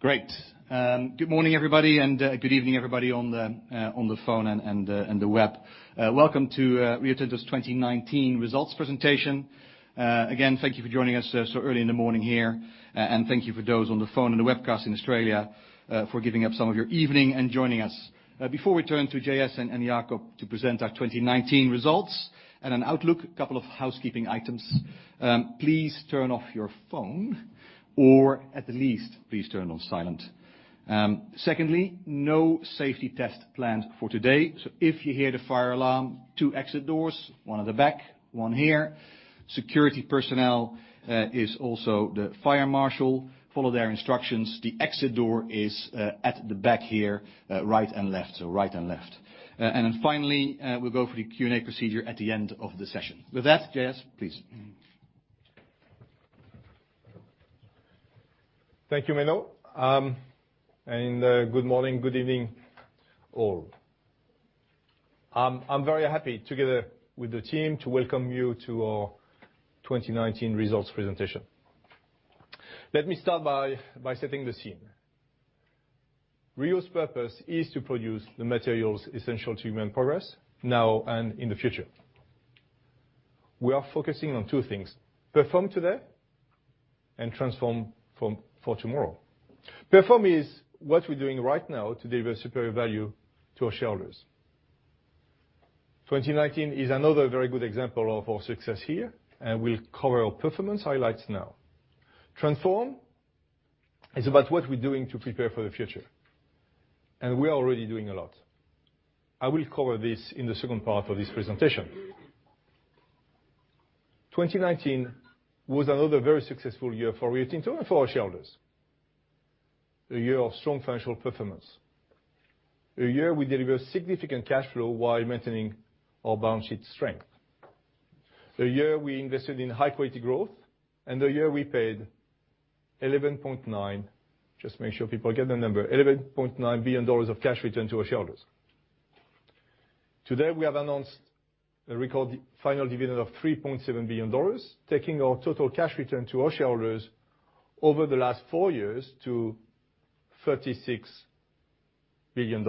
Great. Good morning, everybody, and good evening, everybody on the phone and the web. Welcome to Rio Tinto's 2019 results presentation. Again, thank you for joining us so early in the morning here, and thank you for those on the phone and the webcast in Australia for giving up some of your evening and joining us. Before we turn to J.S. and Jakob to present our 2019 results and an outlook, a couple of housekeeping items. Please turn off your phone, or at the least, please turn on silent. Secondly, no safety test planned for today, so if you hear the fire alarm, two exit doors, one at the back, one here. Security personnel is also the fire marshal. Follow their instructions. The exit door is at the back here, right and left. Finally, we'll go for the Q&A procedure at the end of the session. With that, J.S., please. Thank you, Menno. Good morning, good evening all. I'm very happy together with the team to welcome you to our 2019 results presentation. Let me start by setting the scene. Rio's purpose is to produce the materials essential to human progress, now and in the future. We are focusing on two things, perform today and transform for tomorrow. Perform is what we're doing right now to deliver superior value to our shareholders. 2019 is another very good example of our success here, and we'll cover our performance highlights now. Transform is about what we're doing to prepare for the future, and we are already doing a lot. I will cover this in the second part of this presentation. 2019 was another very successful year for Rio Tinto and for our shareholders. A year of strong financial performance. A year we delivered significant cash flow while maintaining our balance sheet strength. The year we invested in high-quality growth, and the year we paid $11.9 billion, just make sure people get the number, $11.9 billion of cash return to our shareholders. Today, we have announced a record final dividend of $3.7 billion, taking our total cash return to our shareholders over the last four years to $36 billion.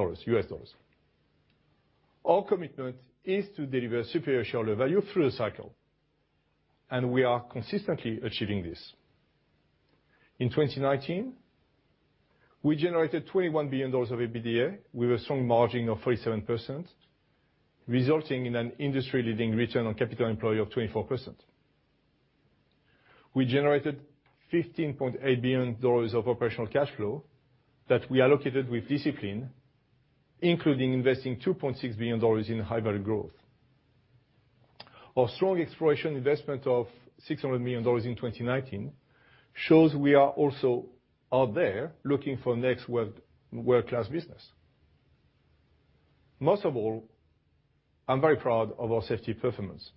Our commitment is to deliver superior shareholder value through the cycle, and we are consistently achieving this. In 2019, we generated $21 billion of EBITDA with a strong margin of 47%, resulting in an industry-leading return on capital employed of 24%. We generated $15.8 billion of operational cash flow that we allocated with discipline, including investing $2.6 billion in high-value growth. Our strong exploration investment of $600 million in 2019 shows we are also out there looking for the next world-class business. Most of all, I'm very proud of our safety performance.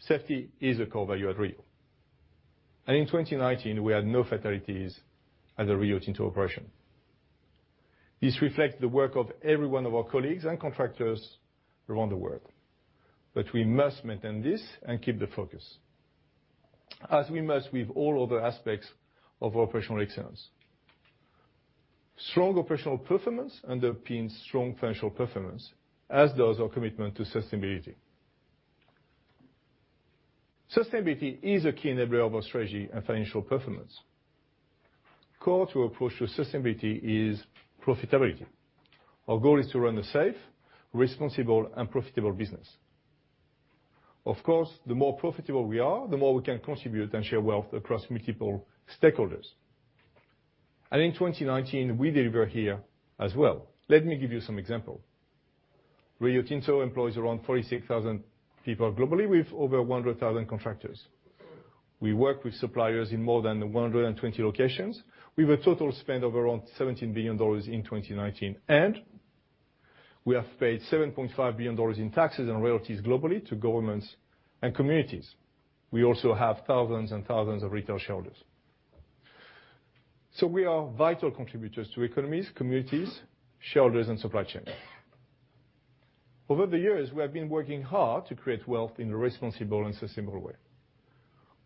Safety is a core value at Rio, and in 2019, we had no fatalities at a Rio Tinto operation. This reflects the work of every one of our colleagues and contractors around the world. We must maintain this and keep the focus, as we must with all other aspects of operational excellence. Strong operational performance underpins strong financial performance, as does our commitment to sustainability. Sustainability is a key enabler of our strategy and financial performance. Core to approach to sustainability is profitability. Our goal is to run a safe, responsible, and profitable business. Of course, the more profitable we are, the more we can contribute and share wealth across multiple stakeholders. In 2019, we deliver here as well. Let me give you some examples. Rio Tinto employs around 46,000 people globally with over 100,000 contractors. We work with suppliers in more than 120 locations. We have a total spend of around $17 billion in 2019, and we have paid $7.5 billion in taxes and royalties globally to governments and communities. We also have thousands and thousands of retail shareholders. We are vital contributors to economies, communities, shareholders, and supply chains. Over the years, we have been working hard to create wealth in a responsible and sustainable way.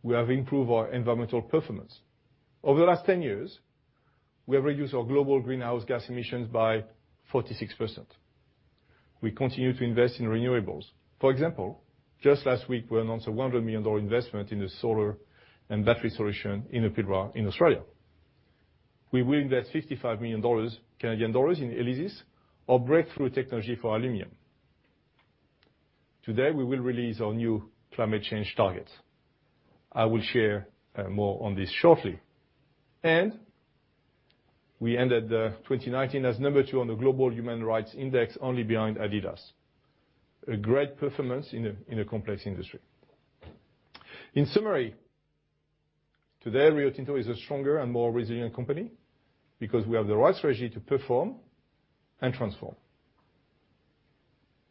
We have improved our environmental performance. Over the last 10 years, we have reduced our global greenhouse gas emissions by 46%. We continue to invest in renewables. For example, just last week we announced a $100 million investment in a solar and battery solution in Pilbara in Australia. We will invest 55 million Canadian dollars in ELYSIS, a breakthrough technology for aluminum. Today, we will release our new climate change targets. I will share more on this shortly. We ended 2019 as number two on the Global Human Rights Index, only behind Adidas. A great performance in a complex industry. In summary, today Rio Tinto is a stronger and more resilient company because we have the right strategy to perform and transform.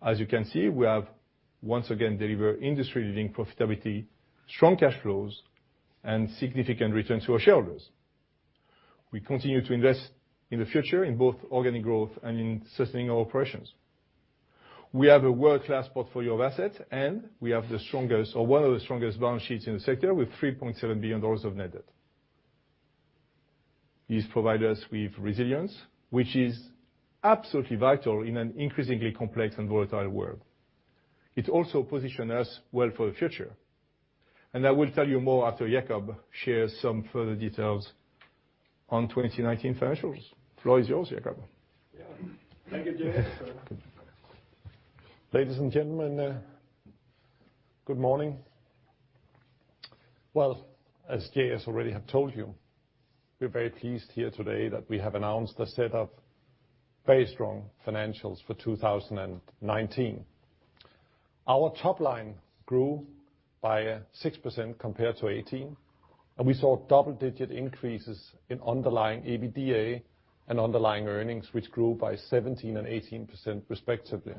As you can see, we have once again delivered industry-leading profitability, strong cash flows, and significant returns to our shareholders. We continue to invest in the future in both organic growth and in sustaining our operations. We have a world-class portfolio of assets, and we have the strongest, or one of the strongest, balance sheets in the sector, with $3.7 billion of net debt. This provides us with resilience, which is absolutely vital in an increasingly complex and volatile world. It also positions us well for the future. I will tell you more after Jakob shares some further details on 2019 financials. The floor is yours, Jakob. Thank you, J.S. Ladies and gentlemen, good morning. Well, as J.S. already have told you, we're very pleased here today that we have announced a set of very strong financials for 2019. Our top line grew by 6% compared to 2018, and we saw double-digit increases in underlying EBITDA and underlying earnings, which grew by 17% and 18%, respectively.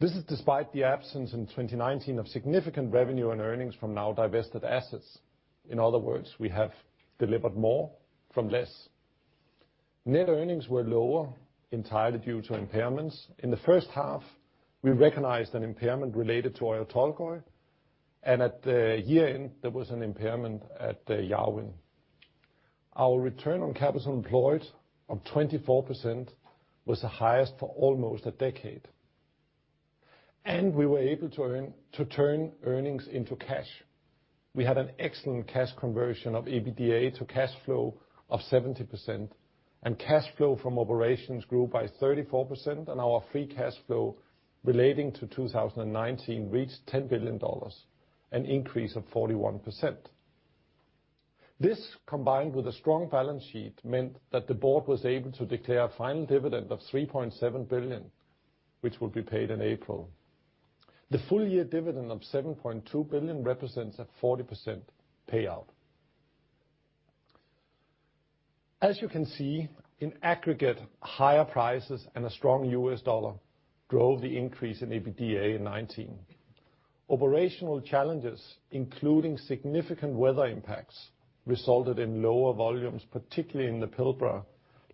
This is despite the absence in 2019 of significant revenue and earnings from now-divested assets. In other words, we have delivered more from less. Net earnings were lower, entirely due to impairments. In the first half, we recognized an impairment related to Oyu Tolgoi, and at the year-end, there was an impairment at Yarwun. Our return on capital employed of 24% was the highest for almost a decade. We were able to turn earnings into cash. We had an excellent cash conversion of EBITDA to cash flow of 70%, and cash flow from operations grew by 34%, and our free cash flow relating to 2019 reached $10 billion, an increase of 41%. This, combined with a strong balance sheet, meant that the Board was able to declare a final dividend of $3.7 billion, which will be paid in April. The full-year dividend of $7.2 billion represents a 40% payout. As you can see, in aggregate, higher prices and a strong U.S. dollar drove the increase in EBITDA in 2019. Operational challenges, including significant weather impacts, resulted in lower volumes, particularly in the Pilbara,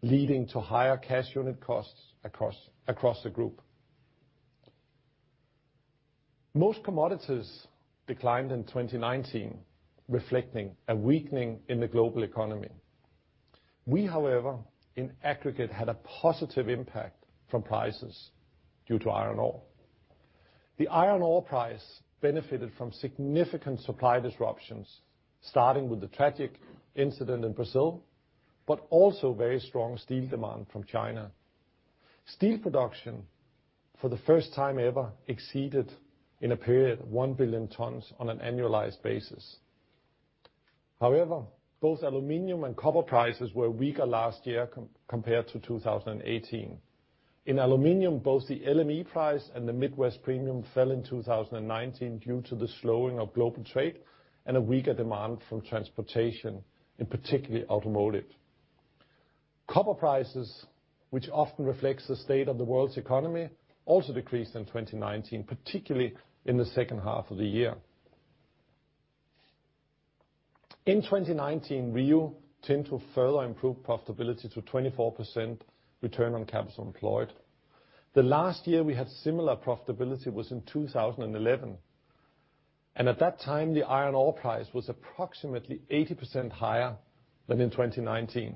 leading to higher cash unit costs across the group. Most commodities declined in 2019, reflecting a weakening in the global economy. We, however, in aggregate, had a positive impact from prices due to iron ore. The iron ore price benefited from significant supply disruptions, starting with the tragic incident in Brazil, but also very strong steel demand from China. Steel production, for the first time ever, exceeded, in a period, 1 billion tons on an annualized basis. However, both aluminum and copper prices were weaker last year compared to 2018. In aluminum, both the LME price and the Midwest Premium fell in 2019 due to the slowing of global trade and a weaker demand from transportation, particularly automotive. Copper prices, which often reflects the state of the world's economy, also decreased in 2019, particularly in the second half of the year. In 2019, Rio Tinto further improved profitability to 24% return on capital employed. The last year we had similar profitability was in 2011, and at that time, the iron ore price was approximately 80% higher than in 2019.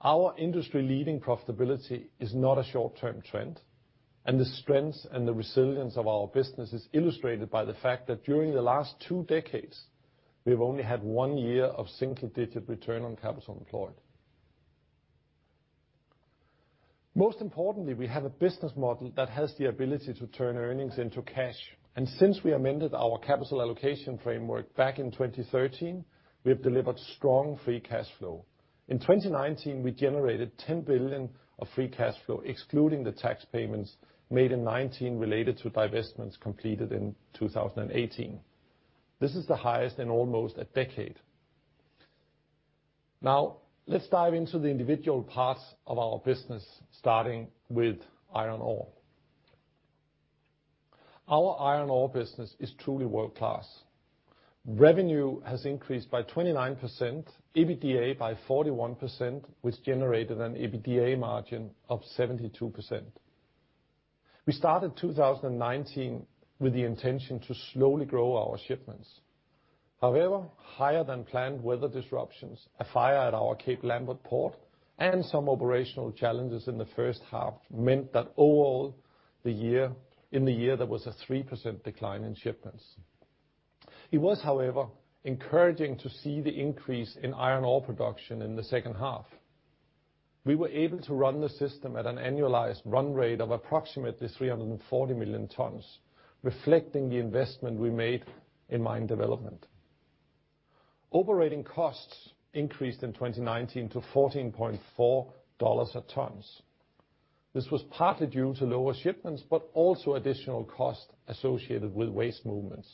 Our industry-leading profitability is not a short-term trend. The strengths and the resilience of our business is illustrated by the fact that during the last two decades, we've only had one year of single-digit return on capital employed. Most importantly, we have a business model that has the ability to turn earnings into cash. Since we amended our capital allocation framework back in 2013, we have delivered strong free cash flow. In 2019, we generated $10 billion of free cash flow, excluding the tax payments made in 2019 related to divestments completed in 2018. This is the highest in almost a decade. Now, let's dive into the individual parts of our business, starting with Iron Ore. Our Iron Ore business is truly world-class. Revenue has increased by 29%, EBITDA by 41%, which generated an EBITDA margin of 72%. We started 2019 with the intention to slowly grow our shipments. Higher-than-planned weather disruptions, a fire at our Cape Lambert port, and some operational challenges in the first half meant that overall in the year, there was a 3% decline in shipments. It was, however, encouraging to see the increase in iron ore production in the second half. We were able to run the system at an annualized run rate of approximately 340 million tons, reflecting the investment we made in mine development. Operating costs increased in 2019 to $14.4 a ton. This was partly due to lower shipments, but also additional costs associated with waste movements.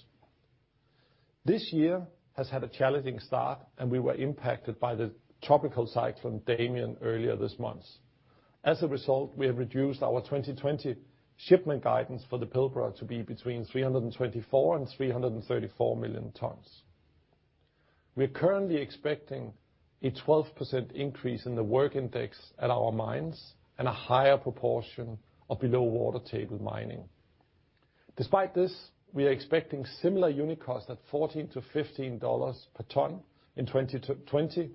This year has had a challenging start, we were impacted by the tropical Cyclone Damien earlier this month. As a result, we have reduced our 2020 shipment guidance for the Pilbara to be between 324-334 million tons. We're currently expecting a 12% increase in the work index at our mines and a higher proportion of below water table mining. Despite this, we are expecting similar unit cost at $14-$15 per ton in 2020,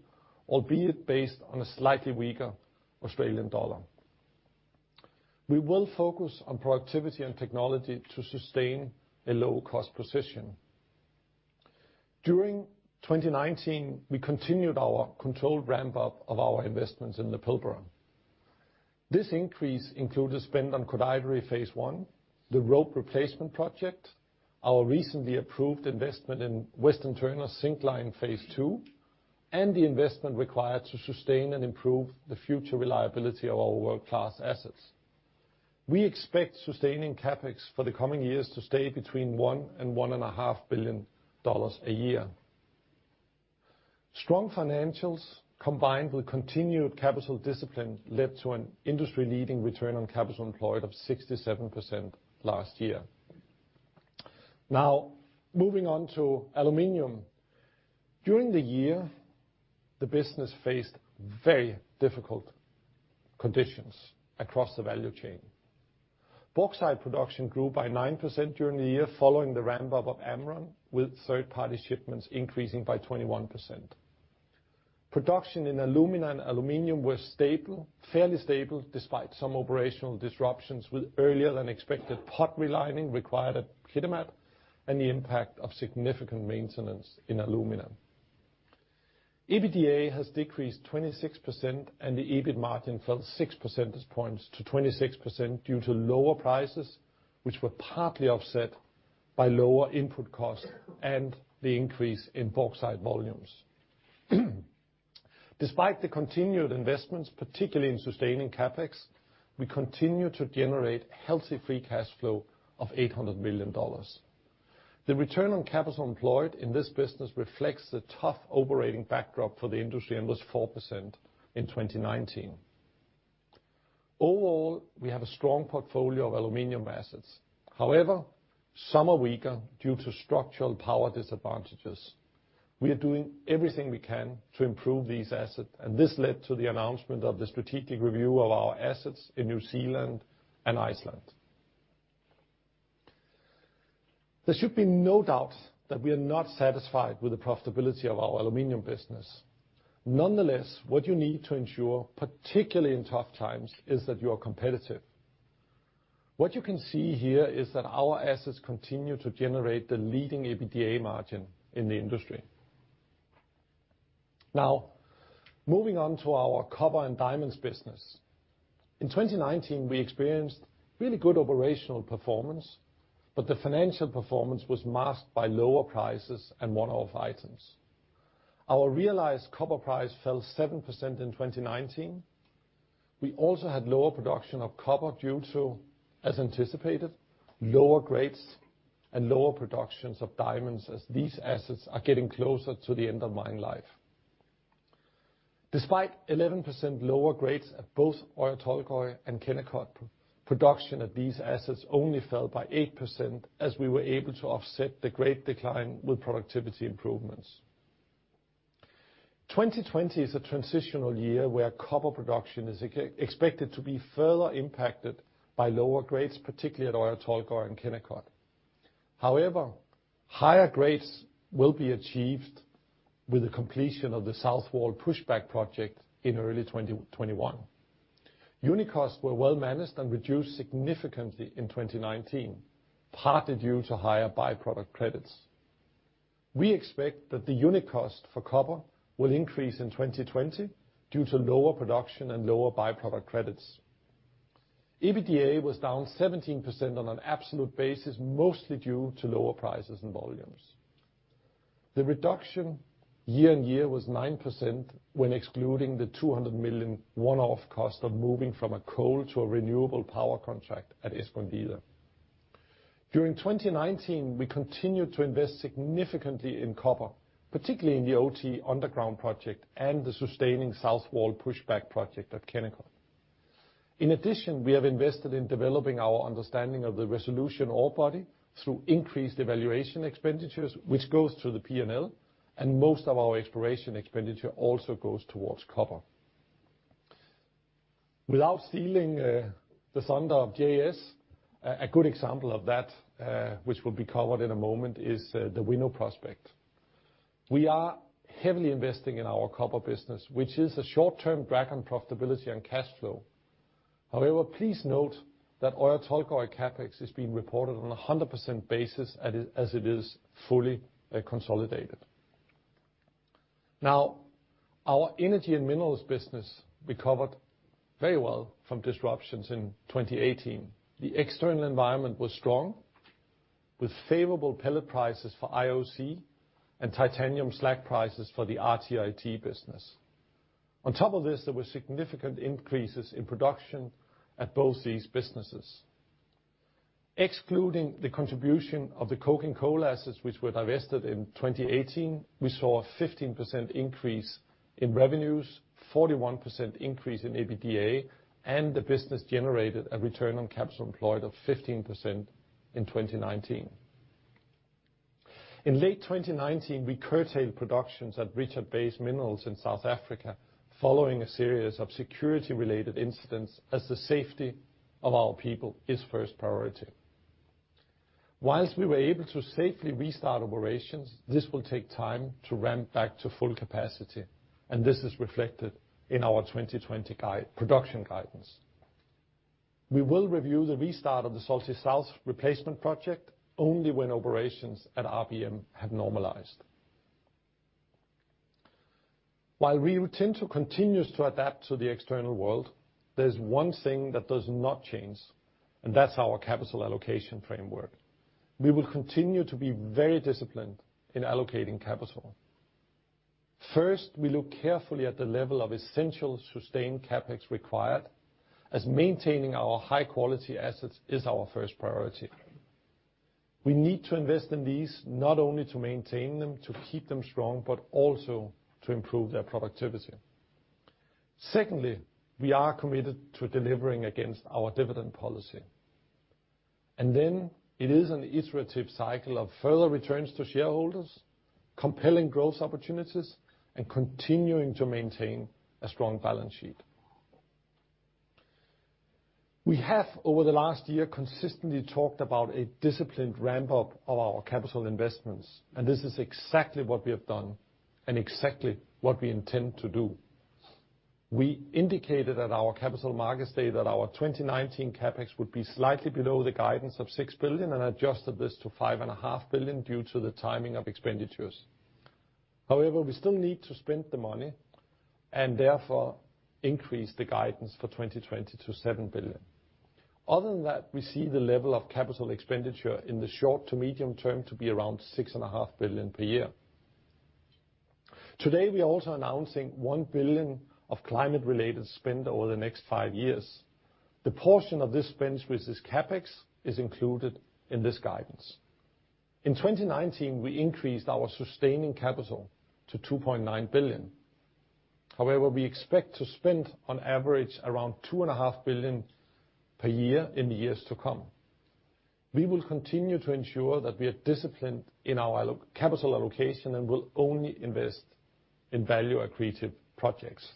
albeit based on a slightly weaker Australian dollar. We will focus on productivity and technology to sustain a low-cost position. During 2019, we continued our controlled ramp-up of our investments in the Pilbara. This increase included spend on Koodaideri Phase 1, the Robe Replacement project, our recently approved investment in Western Turner Syncline Phase 2, and the investment required to sustain and improve the future reliability of our world-class assets. We expect sustaining CapEx for the coming years to stay between $1-$1.5 billion a year. Strong financials, combined with continued capital discipline, led to an industry-leading return on capital employed of 67% last year. Now, moving on to aluminum. During the year, the business faced very difficult conditions across the value chain. Bauxite production grew by 9% during the year following the ramp-up of Amrun, with third-party shipments increasing by 21%. Production in alumina and aluminum were fairly stable despite some operational disruptions with earlier than expected pot relining required at Kitimat and the impact of significant maintenance in alumina. EBITDA has decreased 26% and the EBIT margin fell 6 percentage points to 26% due to lower prices, which were partly offset by lower input costs and the increase in bauxite volumes. Despite the continued investments, particularly in sustaining CapEx, we continue to generate healthy free cash flow of $800 million. The return on capital employed in this business reflects the tough operating backdrop for the industry and was 4% in 2019. We have a strong portfolio of aluminum assets. Some are weaker due to structural power disadvantages. We are doing everything we can to improve these assets, and this led to the announcement of the strategic review of our assets in New Zealand and Iceland. There should be no doubt that we are not satisfied with the profitability of our Aluminum business. What you need to ensure, particularly in tough times, is that you are competitive. What you can see here is that our assets continue to generate the leading EBITDA margin in the industry. Moving on to our Copper and Diamonds business. In 2019, we experienced really good operational performance, but the financial performance was masked by lower prices and one-off items. Our realized copper price fell 7% in 2019. We also had lower production of copper due to, as anticipated, lower grades and lower productions of diamonds as these assets are getting closer to the end of mine life. Despite 11% lower grades at both Oyu Tolgoi and Kennecott, production of these assets only fell by 8% as we were able to offset the great decline with productivity improvements. 2020 is a transitional year where copper production is expected to be further impacted by lower grades, particularly at Oyu Tolgoi and Kennecott. However, higher grades will be achieved with the completion of the South Wall Pushback project in early 2021. Unit costs were well managed and reduced significantly in 2019, partly due to higher by-product credits. We expect that the unit cost for copper will increase in 2020 due to lower production and lower by-product credits. EBITDA was down 17% on an absolute basis, mostly due to lower prices and volumes. The reduction year-on-year was 9% when excluding the $200 million one-off cost of moving from a coal to a renewable power contract at Escondida. During 2019, we continued to invest significantly in copper, particularly in the OT underground project and the sustaining South Wall Pushback project at Kennecott. In addition, we have invested in developing our understanding of the Resolution ore body through increased evaluation expenditures, which goes through the P&L, and most of our exploration expenditure also goes towards copper. Without stealing the thunder of J.S., a good example of that, which will be covered in a moment is the Winu prospect. We are heavily investing in our Copper business, which is a short-term drag on profitability and cash flow. However, please note that Oyu Tolgoi CapEx is being reported on a 100% basis as it is fully consolidated. Now, our Energy & Minerals business recovered very well from disruptions in 2018. The external environment was strong, with favorable pellet prices for IOC and titanium slag prices for the RTIT business. On top of this, there were significant increases in production at both these businesses. Excluding the contribution of the Coke and Coal assets, which were divested in 2018, we saw a 15% increase in revenues, 41% increase in EBITDA, and the business generated a return on capital employed of 15% in 2019. In late 2019, we curtailed productions at Richards Bay Minerals in South Africa following a series of security-related incidents, as the safety of our people is first priority. Whilst we were able to safely restart operations, this will take time to ramp back to full capacity, and this is reflected in our 2020 production guidance. We will review the restart of the Zulti South replacement project only when operations at RBM have normalized. While Rio Tinto continues to adapt to the external world, there's one thing that does not change, and that's our capital allocation framework. We will continue to be very disciplined in allocating capital. First, we look carefully at the level of essential sustained CapEx required, as maintaining our high-quality assets is our first priority. We need to invest in these not only to maintain them, to keep them strong, but also to improve their productivity. Secondly, we are committed to delivering against our dividend policy. Then it is an iterative cycle of further returns to shareholders, compelling growth opportunities, and continuing to maintain a strong balance sheet. We have, over the last year, consistently talked about a disciplined ramp-up of our capital investments, and this is exactly what we have done and exactly what we intend to do. We indicated at our capital markets day that our 2019 CapEx would be slightly below the guidance of $6 billion, and adjusted this to $5.5 billion due to the timing of expenditures. However, we still need to spend the money, and therefore increased the guidance for 2020 to $7 billion. Other than that, we see the level of capital expenditure in the short to medium term to be around $6.5 billion per year. Today, we are also announcing $1 billion of climate-related spend over the next five years. The portion of this spend which is CapEx is included in this guidance. In 2019, we increased our sustaining capital to $2.9 billion. We expect to spend on average around $2.5 billion per year in the years to come. We will continue to ensure that we are disciplined in our capital allocation and will only invest in value-accretive projects.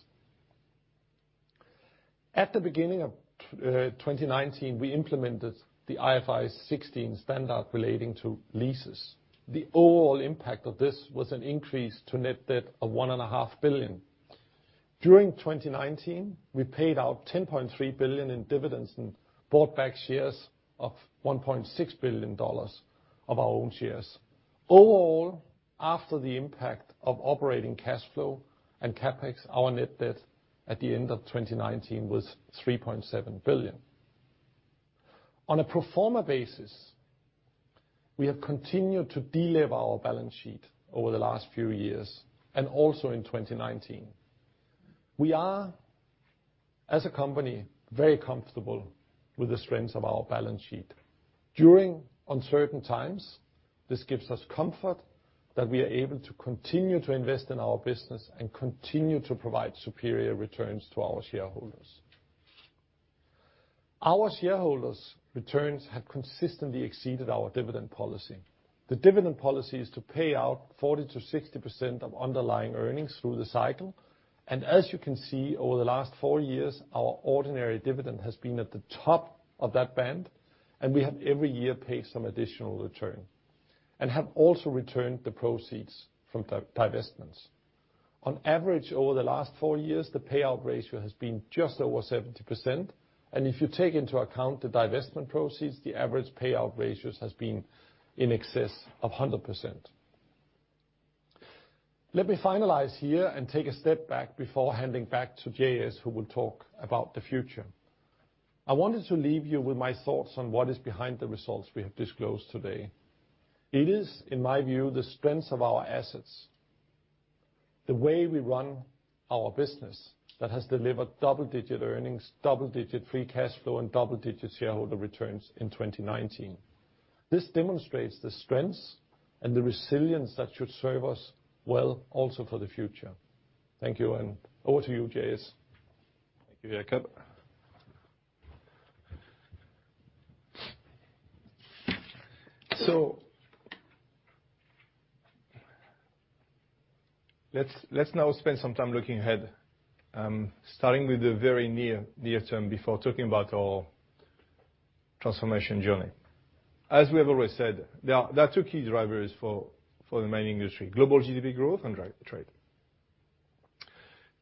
At the beginning of 2019, we implemented the IFRS 16 standard relating to leases. The overall impact of this was an increase to net debt of $1.5 billion. During 2019, we paid out $10.3 billion in dividends and bought back shares of $1.6 billion of our own shares. Overall, after the impact of operating cash flow and CapEx, our net debt at the end of 2019 was $3.7 billion. On a pro forma basis, we have continued to de-lever our balance sheet over the last few years, and also in 2019. We are, as a company, very comfortable with the strength of our balance sheet. During uncertain times, this gives us comfort that we are able to continue to invest in our business and continue to provide superior returns to our shareholders. Our shareholders' returns have consistently exceeded our dividend policy. The dividend policy is to pay out 40%-60% of underlying earnings through the cycle. As you can see, over the last four years, our ordinary dividend has been at the top of that band, and we have every year paid some additional return, and have also returned the proceeds from divestments. On average, over the last four years, the payout ratio has been just over 70%. If you take into account the divestment proceeds, the average payout ratios has been in excess of 100%. Let me finalize here and take a step back before handing back to J.S., who will talk about the future. I wanted to leave you with my thoughts on what is behind the results we have disclosed today. It is, in my view, the strength of our assets, the way we run our business, that has delivered double-digit earnings, double-digit free cash flow, and double-digit shareholder returns in 2019. This demonstrates the strengths and the resilience that should serve us well also for the future. Thank you, and over to you, J.S. Thank you, Jakob. Let's now spend some time looking ahead, starting with the very near term before talking about our transformation journey. As we have always said, there are two key drivers for the mining industry, global GDP growth and trade.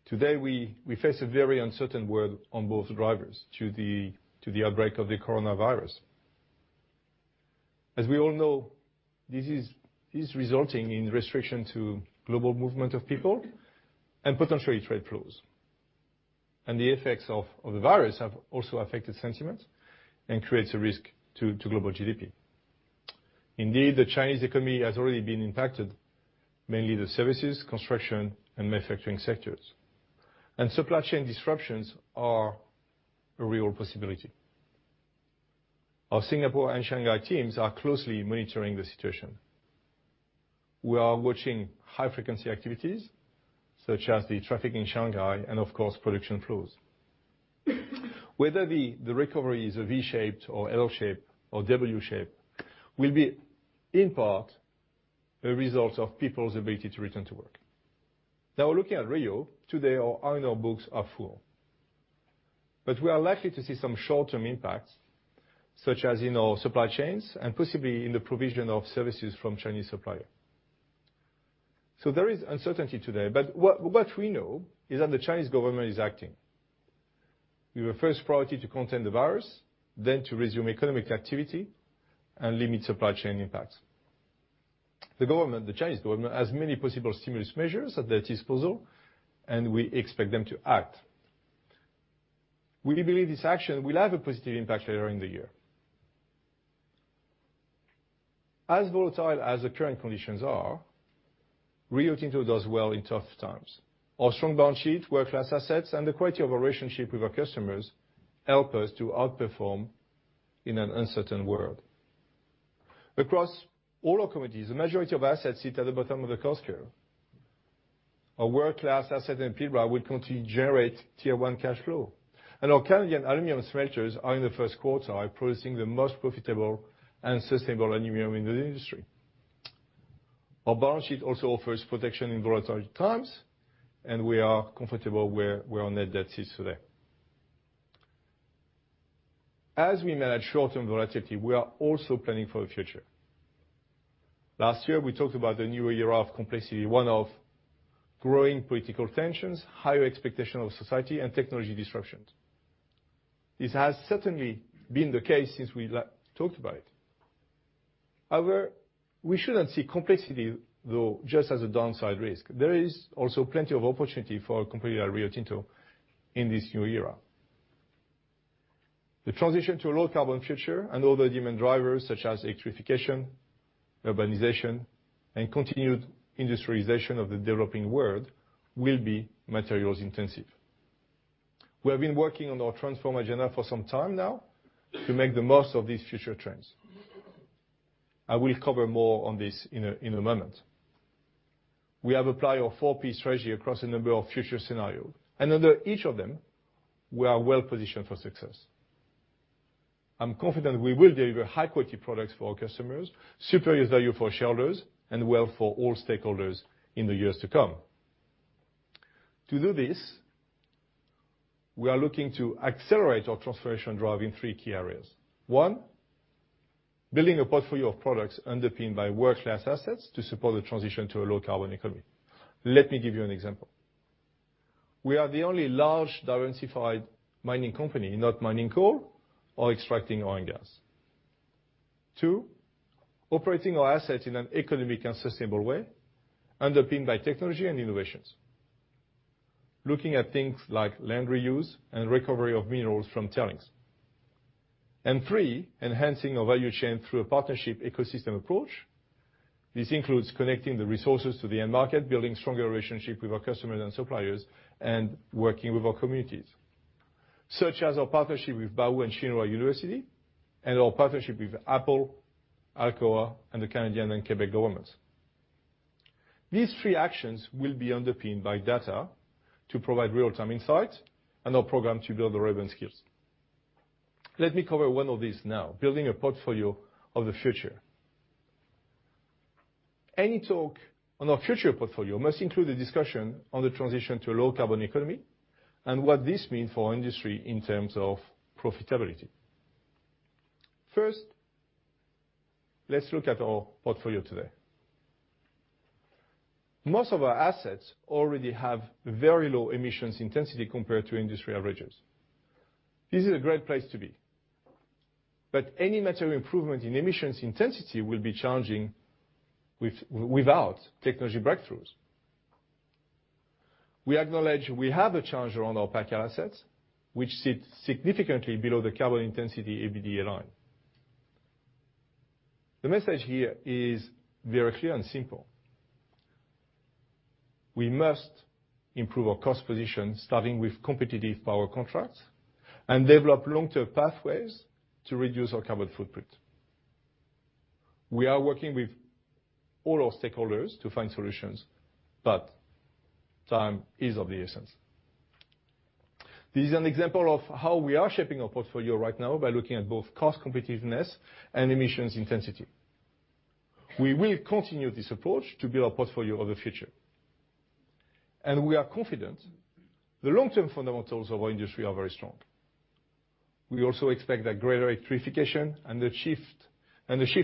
Today, we face a very uncertain world on both drivers due to the outbreak of the coronavirus. As we all know, this is resulting in restriction to global movement of people and potentially trade flows. The effects of the virus have also affected sentiments and creates a risk to global GDP. Indeed, the Chinese economy has already been impacted, mainly the services, construction, and manufacturing sectors. Supply chain disruptions are a real possibility. Our Singapore and Shanghai teams are closely monitoring the situation. We are watching high-frequency activities, such as the traffic in Shanghai and, of course, production flows. Whether the recovery is a V-shaped or L-shaped or W-shaped will be in part a result of people's ability to return to work. Looking at Rio, today, our Iron Ore books are full. We are likely to see some short-term impacts, such as in our supply chains and possibly in the provision of services from Chinese suppliers. There is uncertainty today, but what we know is that the Chinese government is acting with a first priority to contain the coronavirus, then to resume economic activity and limit supply chain impacts. The Chinese government has many possible stimulus measures at their disposal, and we expect them to act. We believe this action will have a positive impact later in the year. As volatile as the current conditions are, Rio Tinto does well in tough times. Our strong balance sheet, world-class assets, and the quality of our relationship with our customers help us to outperform in an uncertain world. Across all our committees, the majority of assets sit at the bottom of the cost curve. Our world-class asset and people will continue to generate Tier 1 cash flow, and our Canadian aluminum smelters are in the first quarter are producing the most profitable and sustainable aluminum in the industry. Our balance sheet also offers protection in volatile times, and we are comfortable where our net debt sits today. As we manage short-term volatility, we are also planning for the future. Last year, we talked about the new era of complexity, one of growing political tensions, higher expectation of society, and technology disruptions. This has certainly been the case since we talked about it. We shouldn't see complexity, though, just as a downside risk. There is also plenty of opportunity for a company like Rio Tinto in this new era. The transition to a low-carbon future and other demand drivers such as electrification, urbanization, and continued industrialization of the developing world will be materials-intensive. We have been working on our transform agenda for some time now to make the most of these future trends. I will cover more on this in a moment. We have applied our 4Ps strategy across a number of future scenarios, and under each of them, we are well-positioned for success. I'm confident we will deliver high-quality products for our customers, superior value for shareholders, and wealth for all stakeholders in the years to come. To do this, we are looking to accelerate our transformation drive in three key areas. One, building a portfolio of products underpinned by world-class assets to support the transition to a low-carbon economy. Let me give you an example. We are the only large diversified mining company not mining coal or extracting oil and gas. Two, operating our assets in an economic and sustainable way, underpinned by technology and innovations. Looking at things like land reuse and recovery of minerals from tailings. Three, enhancing our value chain through a partnership ecosystem approach. This includes connecting the resources to the end market, building stronger relationships with our customers and suppliers, and working with our communities, such as our partnership with Baowu and Tsinghua University and our partnership with Apple, Alcoa, and the Canadian and Quebec governments. These three actions will be underpinned by data to provide real-time insights and our program to build the relevant skills. Let me cover one of these now, building a portfolio of the future. Any talk on our future portfolio must include a discussion on the transition to a low-carbon economy and what this means for our industry in terms of profitability. First, let's look at our portfolio today. Most of our assets already have very low emissions intensity compared to industry averages. This is a great place to be, any material improvement in emissions intensity will be challenging without technology breakthroughs. We acknowledge we have a challenge around our PacAl assets, which sit significantly below the carbon intensity EBITDA line. The message here is very clear and simple. We must improve our cost position, starting with competitive power contracts, and develop long-term pathways to reduce our carbon footprint. We are working with all our stakeholders to find solutions, but time is of the essence. This is an example of how we are shaping our portfolio right now by looking at both cost competitiveness and emissions intensity. We will continue this approach to build our portfolio of the future. We are confident the long-term fundamentals of our industry are very strong. We also expect that greater electrification and the shift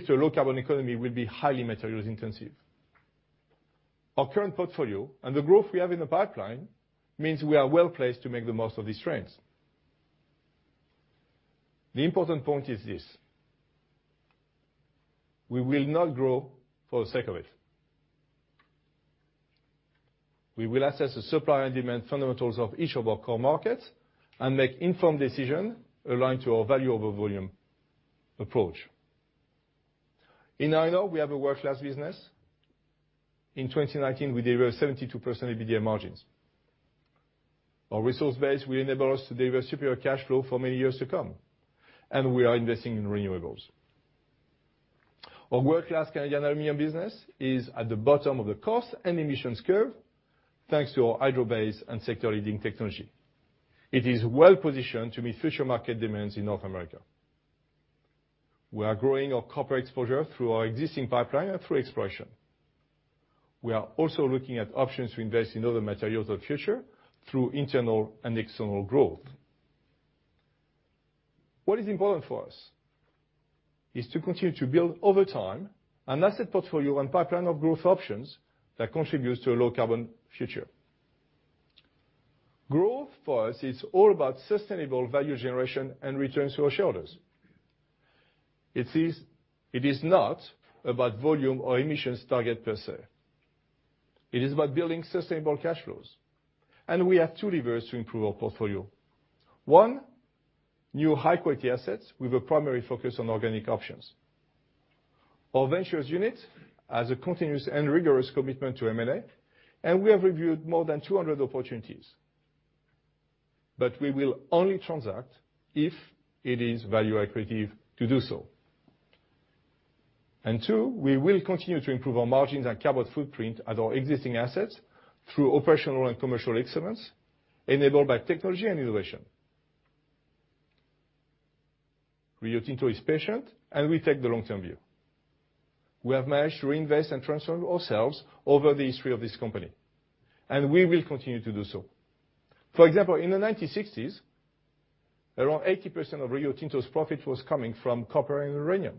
to a low-carbon economy will be highly materials intensive. Our current portfolio and the growth we have in the pipeline means we are well-placed to make the most of these trends. The important point is this: We will not grow for the sake of it. We will assess the supply and demand fundamentals of each of our core markets and make informed decision aligned to our value over volume approach. In Iron Ore, we have a world-class business. In 2019, we delivered 72% EBITDA margins. Our resource base will enable us to deliver superior cash flow for many years to come, and we are investing in renewables. Our world-class Canadian Aluminum business is at the bottom of the cost and emissions curve, thanks to our hydro base and sector-leading technology. It is well-positioned to meet future market demands in North America. We are growing our copper exposure through our existing pipeline and through exploration. We are also looking at options to invest in other materials of the future through internal and external growth. What is important for us is to continue to build, over time, an asset portfolio and pipeline of growth options that contributes to a low carbon future. Growth for us is all about sustainable value generation and returns to our shareholders. It is not about volume or emissions target per se. It is about building sustainable cash flows. We have two levers to improve our portfolio. One, new high-quality assets with a primary focus on organic options. Our ventures unit has a continuous and rigorous commitment to M&A, and we have reviewed more than 200 opportunities. We will only transact if it is value accretive to do so. Two, we will continue to improve our margins and carbon footprint at our existing assets through operational and commercial excellence, enabled by technology and innovation. Rio Tinto is patient, and we take the long-term view. We have managed to reinvest and transform ourselves over the history of this company, and we will continue to do so. For example, in the 1960s, around 80% of Rio Tinto's profit was coming from copper and uranium.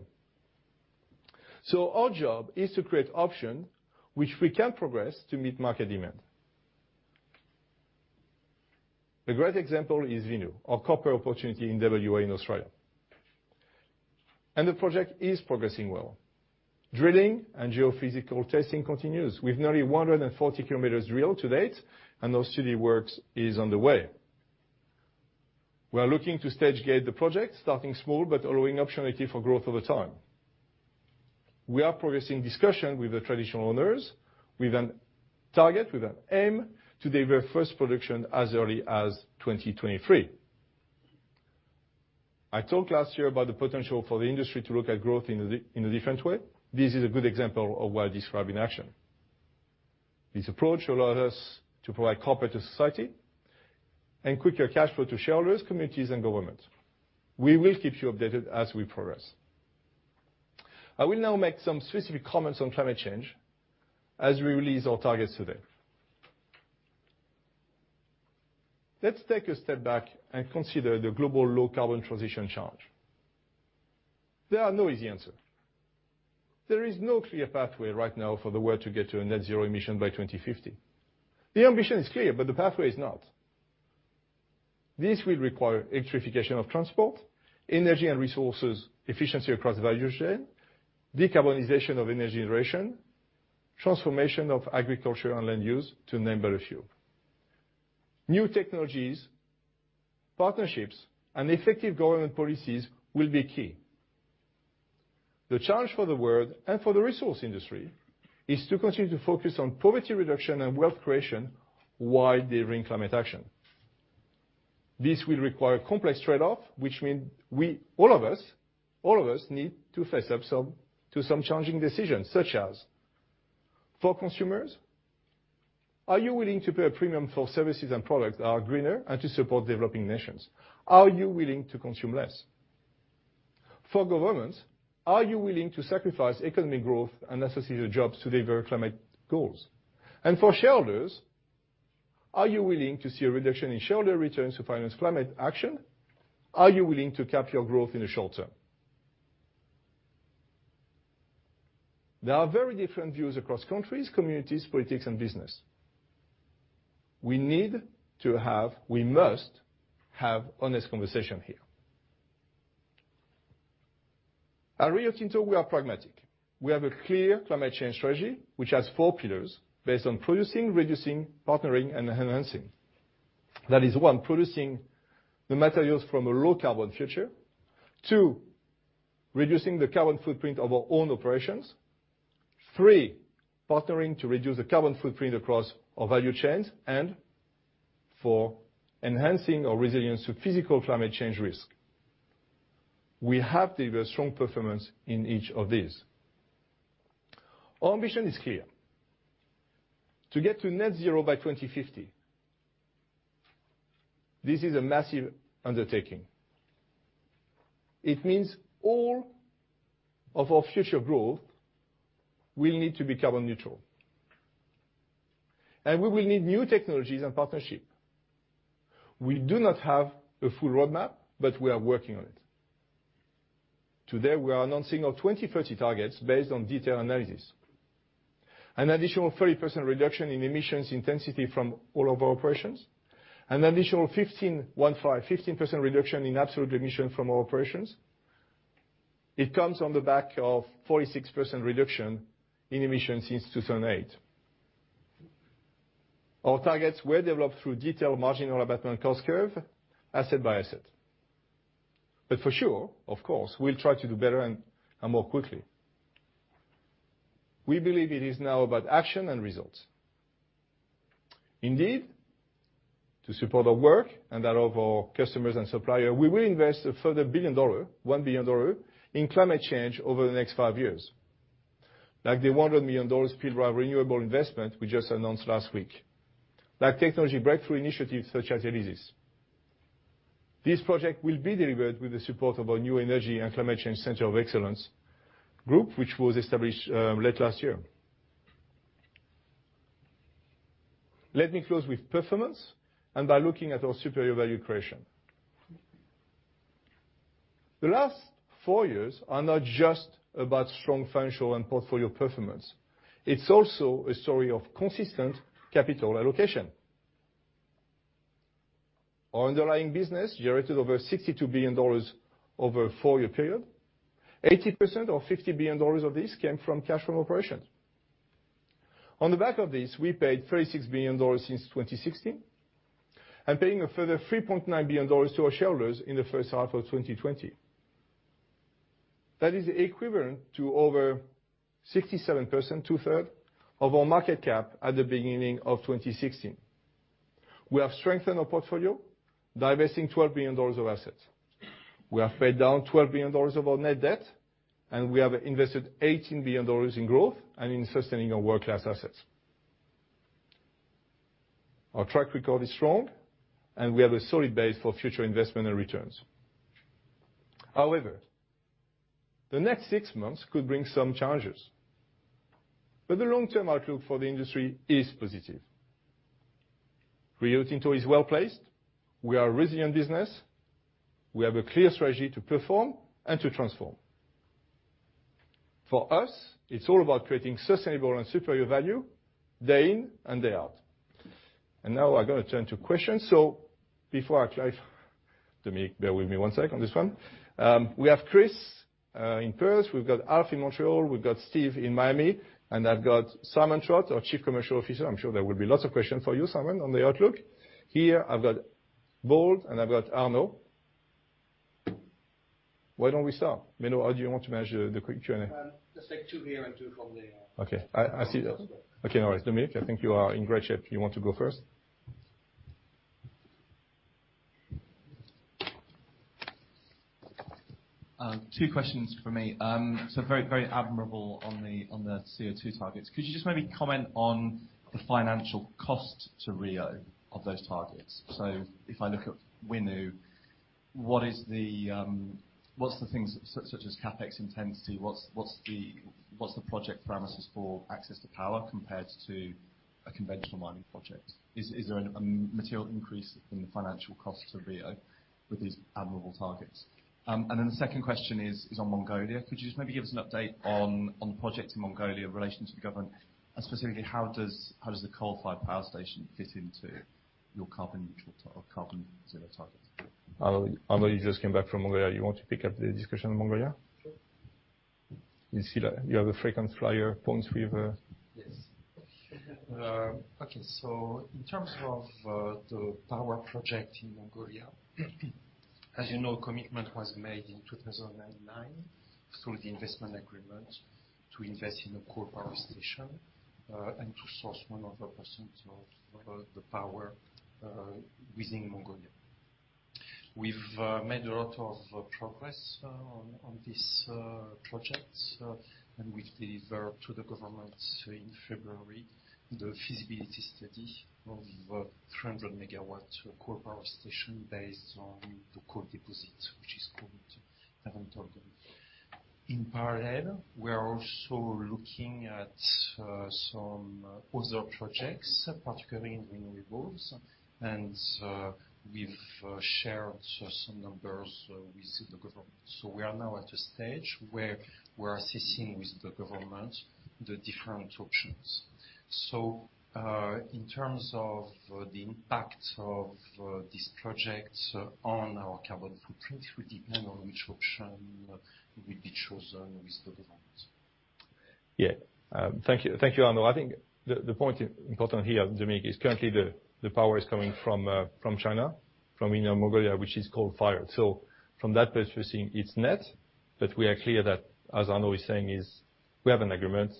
Our job is to create option which we can progress to meet market demand. A great example is Winu, our copper opportunity in W.A. in Australia. The project is progressing well. Drilling and geophysical testing continues with nearly 140 km drilled to date, and those site works is on the way. We are looking to stage gate the project, starting small, but allowing opportunity for growth over time. We are progressing discussion with the traditional owners with an target, with an aim to deliver first production as early as 2023. I talked last year about the potential for the industry to look at growth in a different way. This is a good example of what I described in action. This approach allows us to provide copper to society and quicker cash flow to shareholders, communities, and governments. We will keep you updated as we progress. I will now make some specific comments on climate change as we release our targets today. Let's take a step back and consider the global low carbon transition challenge. There are no easy answers. There is no clear pathway right now for the world to get to a net zero emissions by 2050. The ambition is clear, but the pathway is not. This will require electrification of transport, energy and resources efficiency across the value chain, decarbonization of energy generation, transformation of agriculture and land use, to name but a few. New technologies, partnerships, and effective government policies will be key. The challenge for the world and for the resource industry is to continue to focus on poverty reduction and wealth creation while delivering climate action. This will require a complex trade-off, which means all of us need to face up to some challenging decisions, such as, for consumers, are you willing to pay a premium for services and products that are greener and to support developing nations? Are you willing to consume less? For governments, are you willing to sacrifice economic growth and associated jobs to deliver climate goals? For shareholders, are you willing to see a reduction in shareholder returns to finance climate action? Are you willing to cap your growth in the short term? There are very different views across countries, communities, politics, and business. We must have honest conversation here. At Rio Tinto, we are pragmatic. We have a clear climate change strategy, which has four pillars based on producing, reducing, partnering, and enhancing. That is, one, producing the materials from a low carbon future. Two, reducing the carbon footprint of our own operations. Three, partnering to reduce the carbon footprint across our value chains. Four, enhancing our resilience to physical climate change risk. We have delivered strong performance in each of these. Our ambition is clear. To get to net zero by 2050, this is a massive undertaking. It means all of our future growth will need to be carbon neutral. We will need new technologies and partnership. We do not have a full roadmap, but we are working on it. Today, we are announcing our 2030 targets based on detailed analysis. An additional 30% reduction in emissions intensity from all of our operations. An additional 15, one-five, 15% reduction in absolute emission from our operations. It comes on the back of 46% reduction in emissions since 2008. Our targets were developed through detailed marginal abatement cost curve, asset by asset. For sure, of course, we'll try to do better and more quickly. We believe it is now about action and results. Indeed, to support our work and that of our customers and supplier, we will invest a further $1 billion in climate change over the next five years. Like the $100 million Pilbara renewable investment we just announced last week. Like technology breakthrough initiatives such as ELYSIS. This project will be delivered with the support of our new energy and climate change center of excellence group, which was established late last year. Let me close with performance and by looking at our superior value creation. The last four years are not just about strong financial and portfolio performance. It's also a story of consistent capital allocation. Our underlying business generated over $62 billion over a four-year period. 80% or $50 billion of this came from cash from operations. On the back of this, we paid $36 billion since 2016 and paying a further $3.9 billion to our shareholders in the first half of 2020. That is equivalent to over 67%, 2/3, of our market cap at the beginning of 2016. We have strengthened our portfolio, divesting $12 billion of assets. We have paid down $12 billion of our net debt, and we have invested $18 billion in growth and in sustaining our world-class assets. Our track record is strong, and we have a solid base for future investment and returns. However, the next six months could bring some challenges, but the long-term outlook for the industry is positive. Rio Tinto is well-placed. We are a resilient business. We have a clear strategy to perform and to transform. For us, it's all about creating sustainable and superior value day in and day out. Now I'm going to turn to questions. Before I take bear with me one sec on this one. We have Chris in Perth, we've got Alf in Montreal, we've got Steve in Miami, and I've got Simon Trott, our Chief Commercial Officer. I'm sure there will be lots of questions for you, Simon, on the outlook. Here, I've got Paul and I've got Arnaud. Why don't we start? Menno, how do you want to manage the questioning? Just take two here and two from the. Okay. I see. Okay. All right. Dominic, I think you are in great shape. You want to go first? Two questions from me. Very admirable on the CO2 targets. Could you just maybe comment on the financial cost to Rio of those targets? If I look at Winu, what's the things such as CapEx intensity, what's the project parameters for access to power compared to a conventional mining project? Is there a material increase in the financial cost to Rio with these admirable targets? The second question is on Mongolia. Could you just maybe give us an update on projects in Mongolia in relation to the government, and specifically, how does the coal-fired power station fit into your carbon neutral or carbon zero targets? Arnaud, you just came back from Mongolia. You want to pick up the discussion on Mongolia? Sure. You have a frequent flyer points we've. Yes. Okay, so in terms of the power project in Mongolia, as you know, commitment was made in 2009 through the investment agreement to invest in a coal power station, and to source 100% of the power within Mongolia. We've made a lot of progress on this project, and we delivered to the government in February the feasibility study of 300 MW coal power station based on the coal deposit, which is called Tavan Tolgoi. In parallel, we are also looking at some other projects, particularly in renewables, and we've shared some numbers with the government. We are now at a stage where we're assessing with the government the different options. In terms of the impact of this project on our carbon footprint, it will depend on which option will be chosen with the government. Yeah. Thank you, Arnaud. I think the point important here, Dominic, is currently the power is coming from China, from Inner Mongolia, which is coal-fired. From that perspective, it's net, but we are clear that, as Arnaud is saying, is we have an agreement.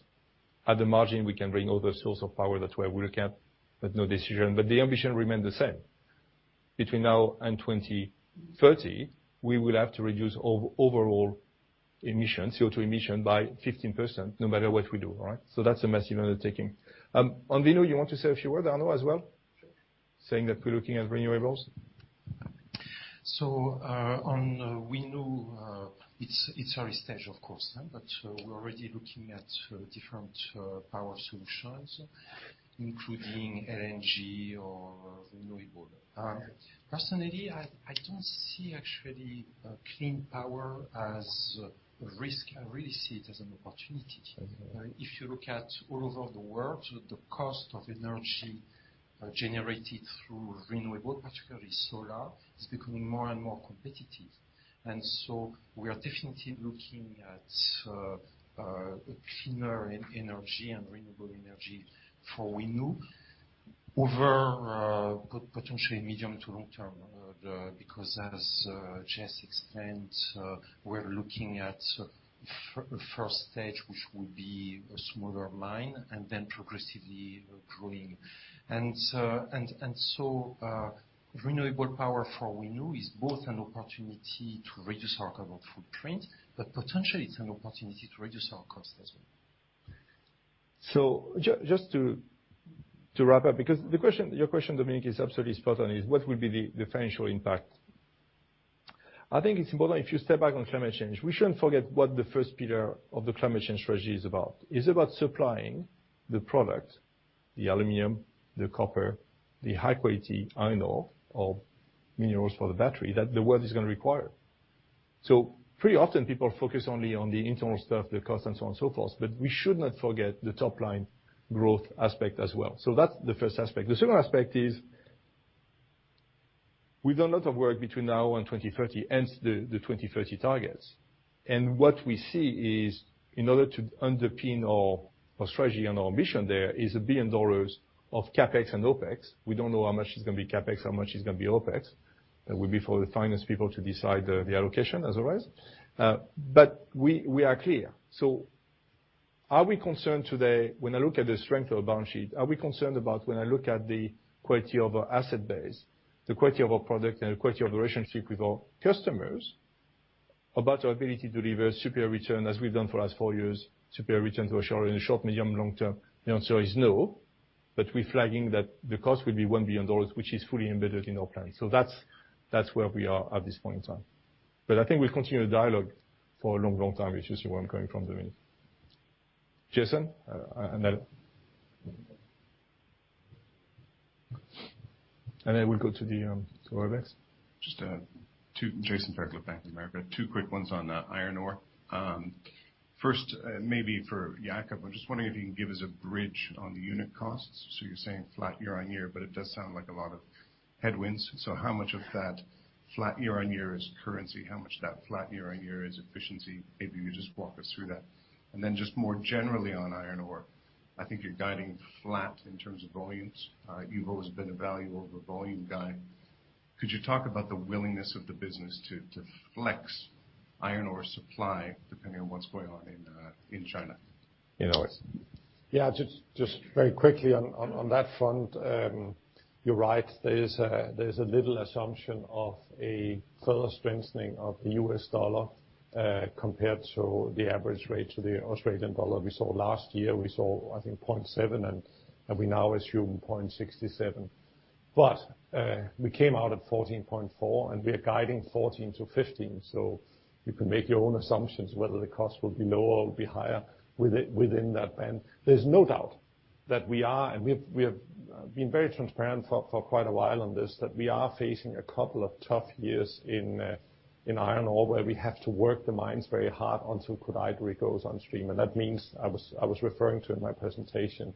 At the margin, we can bring other source of power. That's where we look at, but no decision. The ambition remain the same. Between now and 2030, we will have to reduce overall emission, CO2 emission, by 15%, no matter what we do. That's a massive undertaking. On Winu, you want to say a few words, Arnaud, as well? Sure. Saying that we're looking at renewables. On Winu, it's early stage, of course, but we're already looking at different power solutions, including LNG or renewable. Personally, I don't see actually clean power as a risk. I really see it as an opportunity. If you look at all over the world, the cost of energy generated through renewable, particularly solar, is becoming more and more competitive. We are definitely looking at a cleaner energy and renewable energy for Winu. Potentially medium to long term, because as J.S. explained, we're looking at a Stage 1, which will be a smaller mine and then progressively growing. Renewable power for Winu is both an opportunity to reduce our carbon footprint, but potentially it's an opportunity to reduce our cost as well. Just to wrap up, because your question, Dominic, is absolutely spot on, is what will be the financial impact? I think it's important if you step back on climate change, we shouldn't forget what the first pillar of the climate change strategy is about. It's about supplying the product, the aluminum, the copper, the high-quality iron ore or minerals for the battery that the world is going to require. Pretty often people focus only on the internal stuff, the cost, and so on and so forth. We should not forget the top-line growth aspect as well. That's the first aspect. The second aspect is we've done a lot of work between now and 2030, hence the 2030 targets. What we see is in order to underpin our strategy and our mission, there is $1 billion of CapEx and OpEx. We don't know how much is going to be CapEx, how much is going to be OpEx. That will be for the finance people to decide the allocation as always. We are clear. Are we concerned today when I look at the strength of our balance sheet, are we concerned about when I look at the quality of our asset base, the quality of our product, and the quality of the relationship with our customers about our ability to deliver superior return as we've done for the last four years, superior return to our shareholders in the short, medium, long term? The answer is no. We're flagging that the cost will be $1 billion, which is fully embedded in our plan. That's where we are at this point in time. I think we'll continue the dialogue for a long, long time, which is where I'm coming from, Dominic. Jason, and then we'll go to. Jason Fairclough, Bank of America. Two quick ones on Iron Ore. First, maybe for Jakob, I'm just wondering if you can give us a bridge on the unit costs. You're saying flat year-over-year, but it does sound like a lot of headwinds. How much of that flat year-over-year is currency? How much of that flat year-over-year is efficiency? Maybe you just walk us through that. Just more generally on Iron Ore, I think you're guiding flat in terms of volumes. You've always been a value over volume guy. Could you talk about the willingness of the business to flex iron ore supply depending on what's going on in China? Yeah, just very quickly on that front. You're right, there is a little assumption of a further strengthening of the U.S. dollar compared to the average rate to the Australian dollar we saw last year. We saw, I think, $0.7 and we now assume $0.67. We came out at $14.4 and we are guiding $14-$15. You can make your own assumptions whether the cost will be lower or be higher within that band. There's no doubt that we are, and we have been very transparent for quite a while on this, that we are facing a couple of tough years in Iron Ore where we have to work the mines very hard until Koodaideri goes on stream. That means I was referring to in my presentation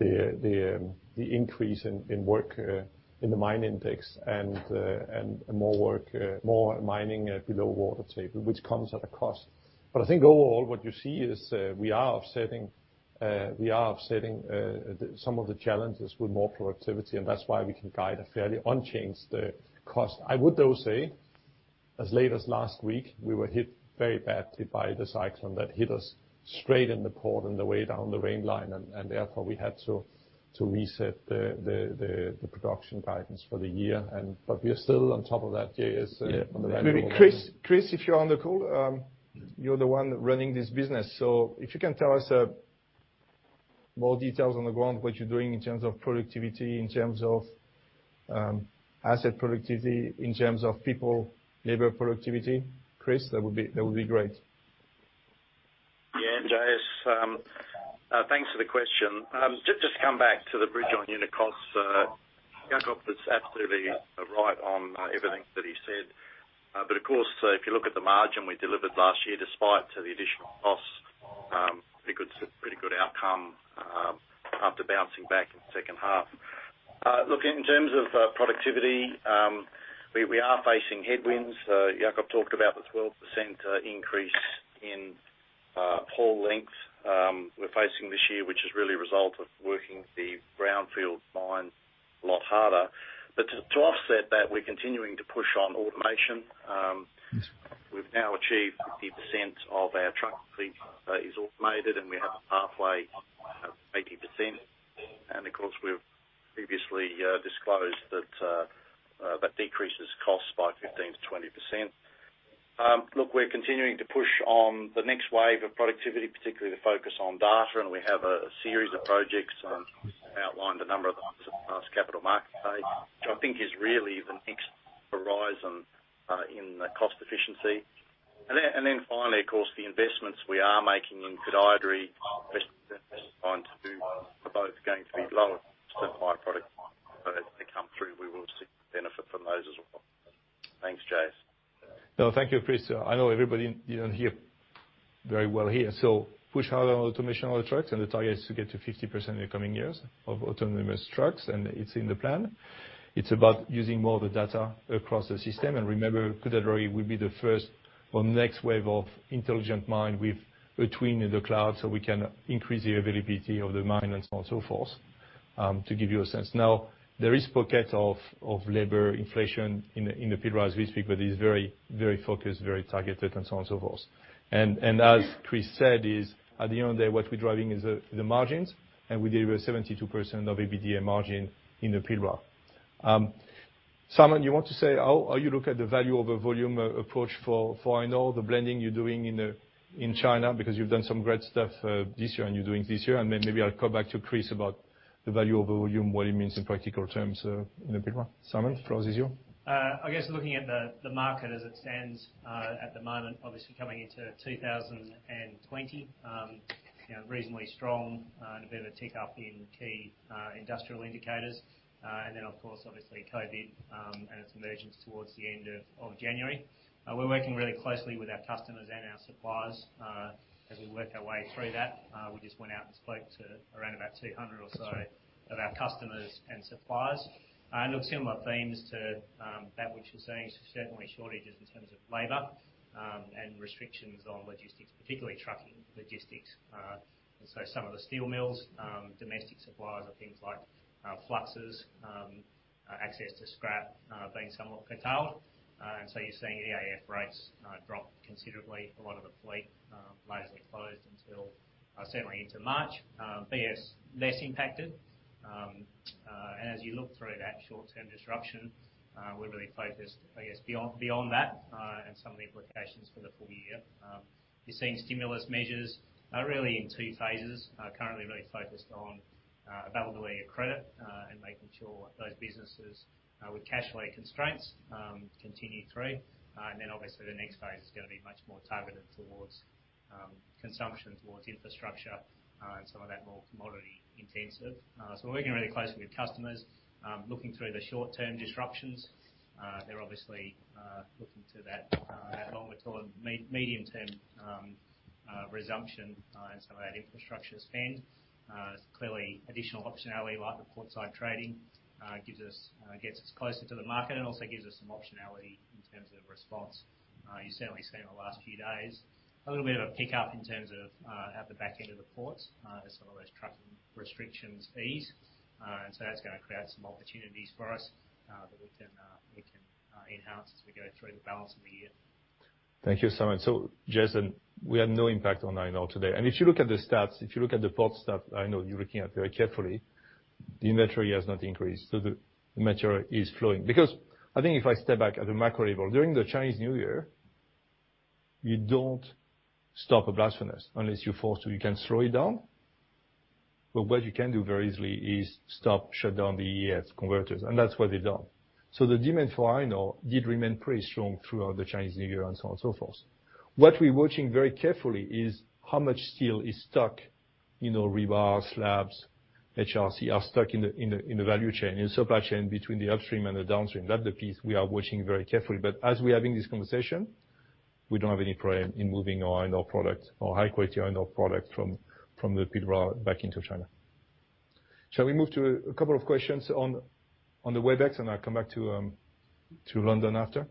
the increase in work in the mine index and more mining below water table, which comes at a cost. I think overall what you see is we are offsetting some of the challenges with more productivity and that's why we can guide a fairly unchanged cost. I would though say as late as last week, we were hit very badly by the cyclone that hit us straight in the port on the way down the rail line, and therefore we had to reset the production guidance for the year. We are still on top of that, J.S. Maybe Chris, if you're on the call, you're the one running this business. If you can tell us more details on the ground, what you're doing in terms of productivity, in terms of asset productivity, in terms of people, labor productivity. Chris, that would be great. J.S., thanks for the question. Come back to the bridge on unit costs. Jakob was absolutely right on everything that he said. Of course, if you look at the margin we delivered last year despite the additional costs, pretty good outcome after bouncing back in the second half. In terms of productivity, we are facing headwinds. Jakob talked about the 12% increase in hole length we're facing this year, which is really a result of working the brownfield mine a lot harder. To offset that, we're continuing to push on automation. We've now achieved 50% of our truck fleet is automated and we have a pathway of 80%. Of course, we've previously disclosed that decreases costs by 15%-20%. Look, we're continuing to push on the next wave of productivity, particularly the focus on data. We have a series of projects outlined a number of them at the last Capital Markets Day, which I think is really the next horizon in cost efficiency. Finally, of course, the investments we are making in Koodaideri are both going to be lower certified product as they come through. We will see the benefit from those as well. Thanks, J.S. No, thank you, Chris. I know everybody in here. Very well here. Push hard on automation on the trucks, and the target is to get to 50% in the coming years of autonomous trucks, and it's in the plan. It's about using more of the data across the system. Remember, Koodaideri will be the first or next wave of intelligent mine with twin in the cloud, so we can increase the availability of the mine and so on and so forth, to give you a sense. Now, there is pocket of labor inflation in the Pilbara as we speak, but is very focused, very targeted, and so on and so forth. As Chris said is, at the end of the day, what we're driving is the margins, and we deliver a 72% of EBITDA margin in the Pilbara. Simon, you want to say how you look at the value over volume approach for Iron Ore, the blending you're doing in China, because you've done some great stuff this year and you're doing this year, then maybe I'll come back to Chris about the value over volume, what it means in practical terms in the Pilbara. Simon, floor is yours. I guess looking at the market as it stands at the moment, obviously coming into 2020, reasonably strong and a bit of a tick up in key industrial indicators. Of course, obviously COVID, and its emergence towards the end of January. We're working really closely with our customers and our suppliers as we work our way through that. We just went out and spoke to around about 200 or so of our customers and suppliers, and looked similar themes to that which you're seeing. Certainly shortages in terms of labor, and restrictions on logistics, particularly trucking logistics. Some of the steel mills, domestic suppliers of things like fluxes, access to scrap being somewhat curtailed. You're seeing EAF rates drop considerably. A lot of the fleet largely closed until certainly into March. BFs less impacted. As you look through that short-term disruption, we're really focused, I guess, beyond that, and some of the implications for the full year. You're seeing stimulus measures really in two phases. Currently really focused on availability of credit, and making sure those businesses with cash flow constraints continue through. Then, obviously, the next phase is going to be much more targeted towards consumption, towards infrastructure, and some of that more commodity intensive. We're working really closely with customers, looking through the short-term disruptions. They're obviously looking to that longer-term, medium-term resumption and some of that infrastructure spend. Clearly additional optionality like the portside trading gets us closer to the market and also gives us some optionality in terms of response. You've certainly seen in the last few days a little bit of a pick-up in terms of at the back end of the ports as some of those trucking restrictions ease. That's going to create some opportunities for us that we can enhance as we go through the balance of the year. Thank you, Simon. Jason, we have no impact on iron ore today. If you look at the stats, if you look at the port stats, I know you're looking at very carefully, the inventory has not increased. The inventory is flowing. I think if I step back at the macro level, during the Chinese New Year, you don't stop a blast furnace unless you're forced to. You can slow it down. What you can do very easily is stop, shut down the EAF converters, and that's what they've done. The demand for iron ore did remain pretty strong throughout the Chinese New Year and so on and so forth. What we're watching very carefully is how much steel is stuck, rebar, slabs, HRC, are stuck in the value chain, in the supply chain between the upstream and the downstream. That's the piece we are watching very carefully. As we are having this conversation, we don't have any problem in moving our iron ore product or high-quality iron ore product from the Pilbara back into China. Shall we move to a couple of questions on the Webex, and I'll come back to London after?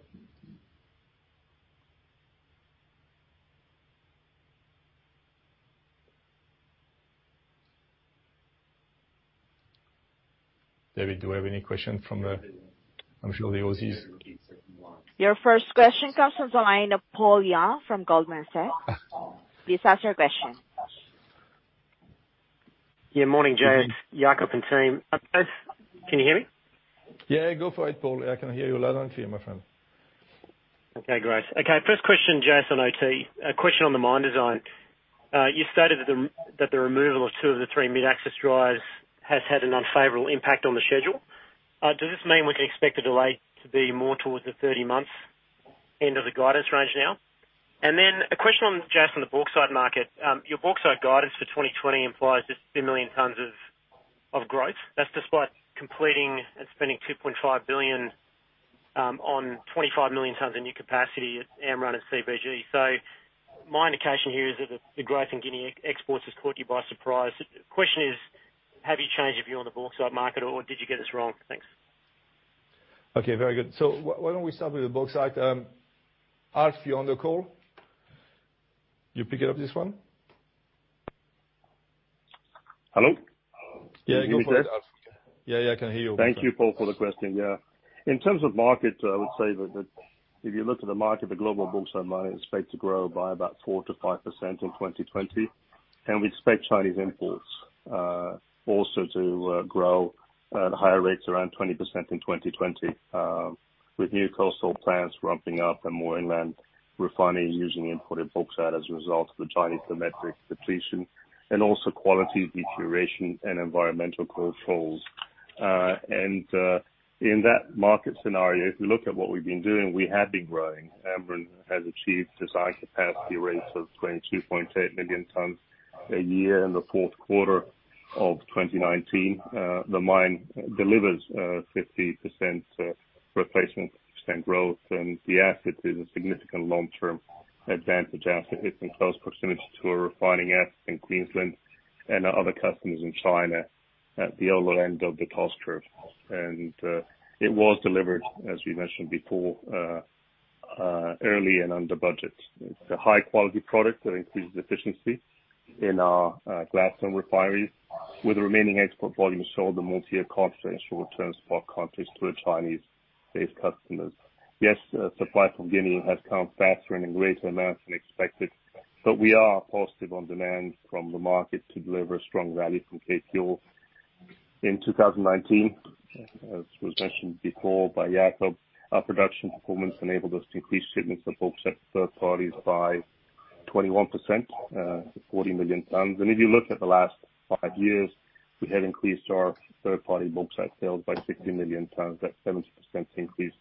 David, do I have any question from the- I'm sure the Aussies. Your first question comes from the line of Paul Young from Goldman Sachs. Please ask your question. Yeah, morning J.S., Jakob, and team. Can you hear me? Yeah, go for it, Paul. I can hear you loud and clear, my friend. Okay, great. Okay, first question, J.S., on Oyu Tolgoi. A question on the mine design. You stated that the removal of two of the three mid-access drives has had an unfavorable impact on the schedule. Does this mean we can expect the delay to be more towards the 30 months end of the guidance range now? A question, J.S., on the bauxite market. Your bauxite guidance for 2020 implies just 2 million tons of growth. That's despite completing and spending $2.5 billion on 25 million tons of new capacity at Amrun and CBG. My indication here is that the growth in Guinea exports has caught you by surprise. Question is, have you changed your view on the bauxite market, or did you get this wrong? Thanks. Okay, very good. Why don't we start with the bauxite? Alf, you on the call? You pick it up, this one? Hello? Can you hear me, J.S.? Yeah. I can hear you. Thank you, Paul, for the question. In terms of market, I would say that if you look at the market, the global bauxite market is expected to grow by about 4%-5% in 2020. We expect Chinese imports also to grow at higher rates, around 20% in 2020, with new coastal plants ramping up and more inland refining using imported bauxite as a result of the Chinese domestic depletion and also quality deterioration and environmental controls. In that market scenario, if we look at what we've been doing, we have been growing. Amrun has achieved design capacity rates of 22.8 million tons a year in the fourth quarter of 2019, the mine delivers a 50% replacement, 50% growth, and the asset is a significant long-term advantage asset. It's in close proximity to a refining asset in Queensland and our other customers in China at the other end of the cost curve. It was delivered, as we mentioned before, early and under budget. It's a high-quality product that increases efficiency in our Gladstone refineries, with the remaining export volume sold on multi-year contracts or short-term spot contracts to our Chinese-based customers. Yes, supply from Guinea has come faster and in greater amounts than expected, but we are positive on demand from the market to deliver strong value from K-fuel. In 2019, as was mentioned before by Jakob, our production performance enabled us to increase shipments of bauxite to third parties by 21%, 40 million tons. If you look at the last five years, we have increased our third party bauxite sales by 60 million tons. That's 70% increase,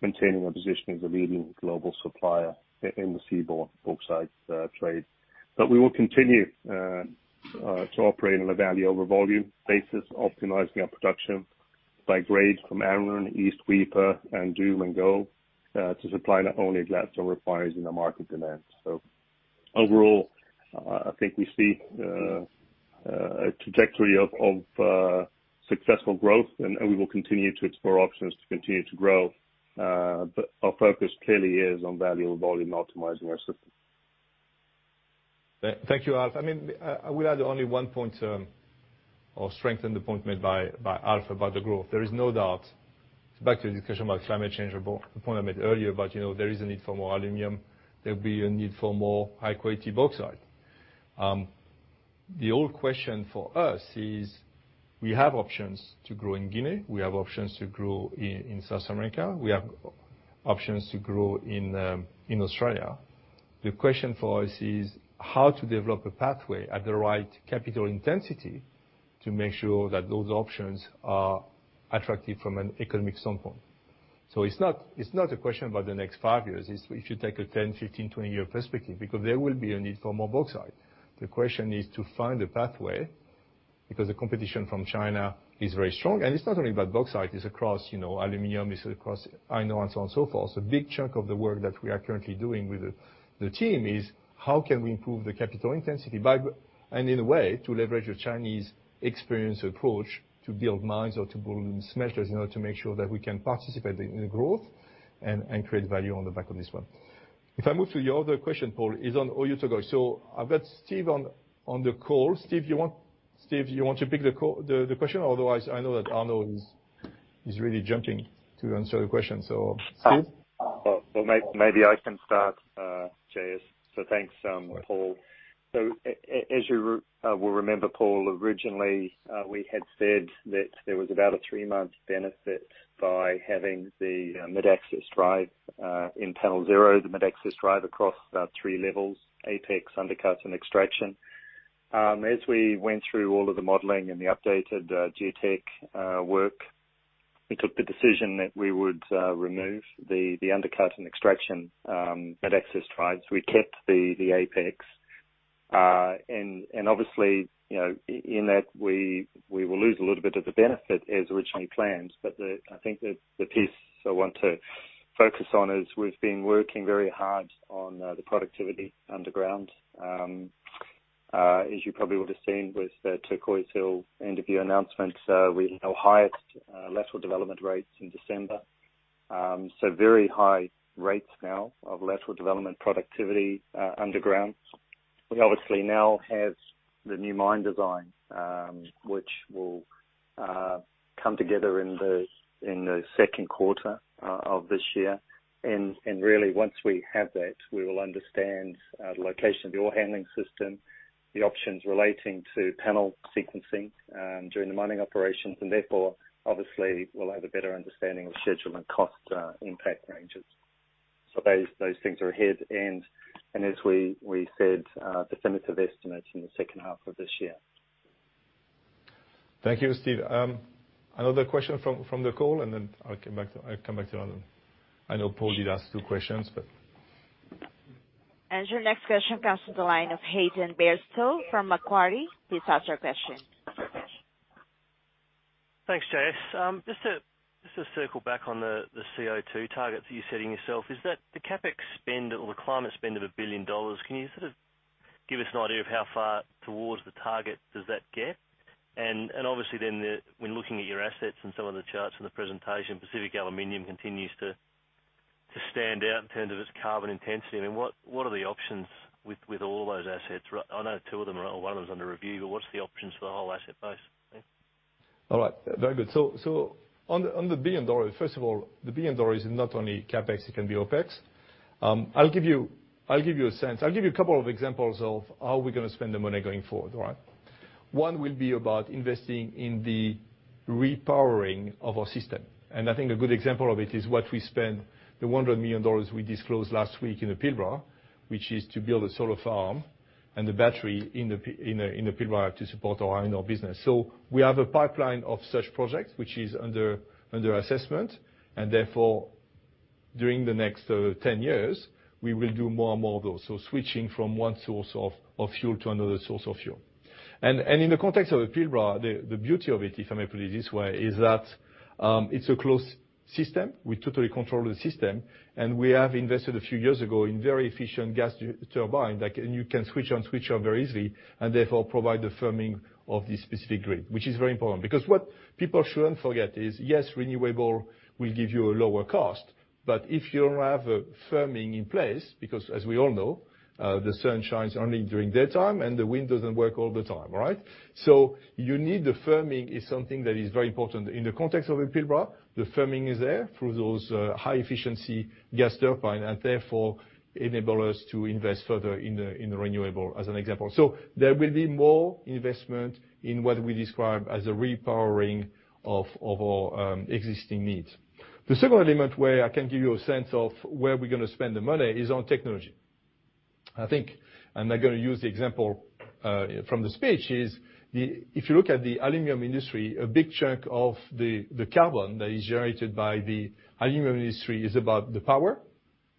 maintaining our position as a leading global supplier in the seaborne bauxite trade. We will continue to operate on a value over volume basis, optimizing our production by grade from Amrun, East Weipa and Doomadgee to supply only Gladstone refiners in the market demand. Overall, I think we see a trajectory of successful growth and we will continue to explore options to continue to grow. Our focus clearly is on value over volume, optimizing our system. Thank you, Alf. I will add only one point to or strengthen the point made by Alf about the growth. There is no doubt, back to the discussion about climate change or the point I made earlier, but there is a need for more aluminum, there'll be a need for more high-quality bauxite. The old question for us is, we have options to grow in Guinea, we have options to grow in South America, we have options to grow in Australia. The question for us is how to develop a pathway at the right capital intensity to make sure that those options are attractive from an economic standpoint. It's not a question about the next five years. If you take a 10, 15, 20 year perspective, because there will be a need for more bauxite. The question is to find a pathway, because the competition from China is very strong. It's not only about bauxite, it's across aluminum, it's across iron ore, and so on and so forth. A big chunk of the work that we are currently doing with the team is how can we improve the capital intensity and in a way, to leverage the Chinese experience approach to build mines or to build smelters in order to make sure that we can participate in the growth and create value on the back of this one. If I move to your other question, Paul, is on Oyu Tolgoi. I've got Steve on the call. Steve, you want to pick the question? Otherwise, I know that Arnaud is really jumping to answer the question. Steve? Well, maybe I can start, J.S. Thanks, Paul. As you will remember, Paul, originally, we had said that there was about a three-month benefit by having the mid-access drive in Panel 0, the mid-access drive across about three levels, apex, undercut, and extraction. As we went through all of the modeling and the updated geotech work, we took the decision that we would remove the undercut and extraction, mid-access drive. We kept the apex. Obviously, in that, we will lose a little bit of the benefit as originally planned. I think the piece I want to focus on is we've been working very hard on the productivity underground. As you probably would have seen with the Turquoise Hill end-of-year announcement, we now highest lateral development rates in December. Very high rates now of lateral development productivity underground. We obviously now have the new mine design, which will come together in the second quarter of this year. Really once we have that, we will understand the location of the ore handling system, the options relating to panel sequencing during the mining operations, and therefore, obviously, we'll have a better understanding of schedule and cost impact ranges. Those things are ahead, and as we said, definitive estimates in the second half of this year. Thank you, Steve. Another question from the call, and then I'll come back to Arnaud. I know Paul did ask two questions. Your next question comes from the line of Hayden Bairstow from Macquarie. Please ask your question. Thanks, J.S. To circle back on the CO2 targets you're setting yourself, is that the CapEx spend or the climate spend of $1 billion, can you sort of give us an idea of how far towards the target does that get? Obviously then when looking at your assets and some of the charts in the presentation, Pacific Aluminium continues to stand out in terms of its carbon intensity. I mean, what are the options with all those assets? I know two of them or one of them is under review, what's the options for the whole asset base? Yeah. All right. Very good. On the $1 billion, first of all, the $1 billion is not only CapEx, it can be OpEx. I'll give you a sense. I'll give you a couple of examples of how we're going to spend the money going forward. One will be about investing in the repowering of our system. I think a good example of it is what we spent the $100 million we disclosed last week in the Pilbara, which is to build a solar farm and the battery in the Pilbara to support our Iron Ore business. We have a pipeline of such projects, which is under assessment. During the next 10 years, we will do more and more of those. Switching from one source of fuel to another source of fuel. In the context of Pilbara, the beauty of it, if I may put it this way, is that it's a closed system. We totally control the system, and we have invested a few years ago in very efficient gas turbine that you can switch on, switch off very easily, and therefore provide the firming of this specific grid, which is very important. What people shouldn't forget is, yes, renewable will give you a lower cost, but if you don't have a firming in place, because as we all know, the sun shines only during daytime, and the wind doesn't work all the time, right? You need the firming is something that is very important. In the context of Pilbara, the firming is there through those high-efficiency gas turbine, and therefore enable us to invest further in the renewable, as an example. There will be more investment in what we describe as a repowering of our existing needs. The second element where I can give you a sense of where we're going to spend the money is on technology. I think, and I'm going to use the example from the speech, is if you look at the aluminum industry, a big chunk of the carbon that is generated by the aluminum industry is about the power.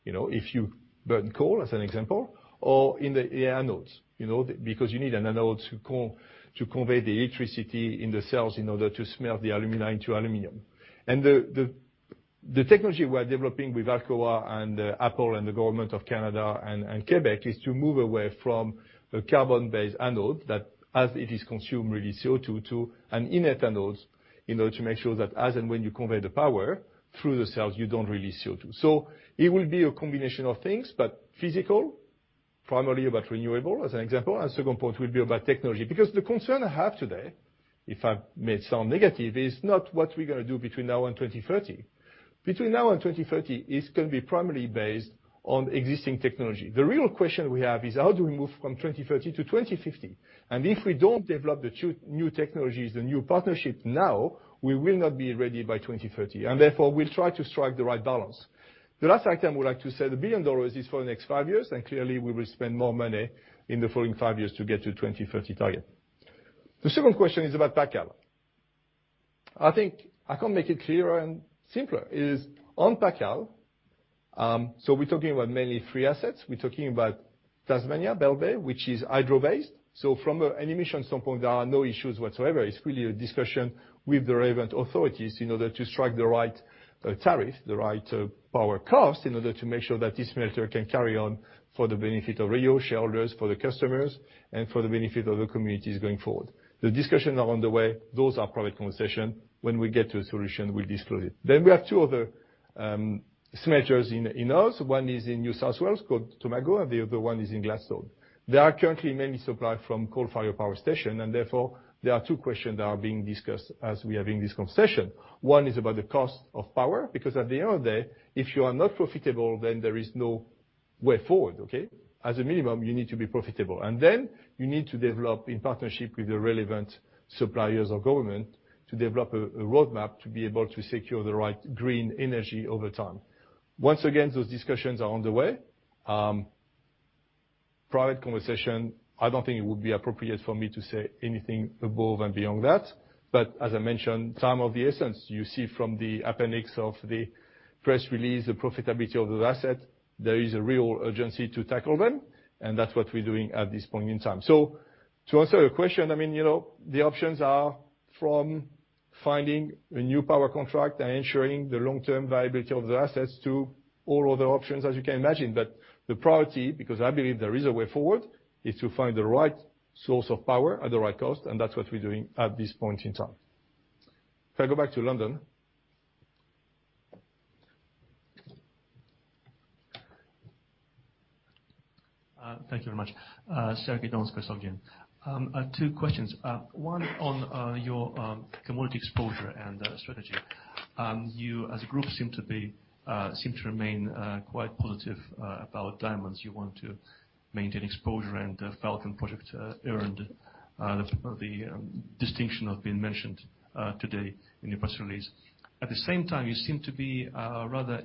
If you burn coal as an example or in the anodes, because you need an anode to convey the electricity in the cells in order to smelt the alumina into aluminum. The technology we are developing with Alcoa and Apple and the government of Canada and Quebec is to move away from a carbon-based anode that, as it is consumed, release CO2 to an inert anodes in order to make sure that as and when you convey the power through the cells, you don't release CO2. It will be a combination of things, but physical, primarily about renewable, as an example, and second point will be about technology. The concern I have today, if I may sound negative, is not what we're going to do between now and 2030. Between now and 2030 is going to be primarily based on existing technology. The real question we have is how do we move from 2030 to 2050? If we don't develop the new technologies, the new partnerships now, we will not be ready by 2030, and therefore we'll try to strike the right balance. The last item I would like to say, the $1 billion is for the next five years, and clearly, we will spend more money in the following five years to get to 2030 target. The second question is about PacAl. I think I can't make it clearer and simpler. Is on PacAl, so we're talking about mainly three assets. We're talking about Tasmania, Bell Bay, which is hydro-based. From an emission standpoint, there are no issues whatsoever. It's really a discussion with the relevant authorities in order to strike the right tariff, the right power cost, in order to make sure that this smelter can carry on for the benefit of Rio shareholders, for the customers, and for the benefit of the communities going forward. The discussions are on the way. Those are private conversation. When we get to a solution, we disclose it. We have two other smelters in Aus. One is in New South Wales called Tomago, and the other one is in Gladstone. They are currently mainly supplied from coal-fired power station, and therefore there are two questions that are being discussed as we are having this conversation. One is about the cost of power, because at the end of the day, if you are not profitable, then there is no way forward, okay? As a minimum, you need to be profitable, then you need to develop in partnership with the relevant suppliers or government to develop a roadmap to be able to secure the right green energy over time. Once again, those discussions are on the way. Private conversation, I don't think it would be appropriate for me to say anything above and beyond that. As I mentioned, time of the essence, you see from the appendix of the press release, the profitability of the asset, there is a real urgency to tackle them, and that's what we're doing at this point in time. To answer your question, the options are from finding a new power contract and ensuring the long-term viability of the assets to all other options, as you can imagine. The priority, because I believe there is a way forward, is to find the right source of power at the right cost, and that's what we're doing at this point in time. If I go back to London. Thank you very much. Sergey Donskoy, Societe Generale. Two questions. One on your commodity exposure and strategy. You as a group seem to remain quite positive about diamonds. You want to maintain exposure and the FalCon project earned the distinction of being mentioned today in your press release. At the same time, you seem to be rather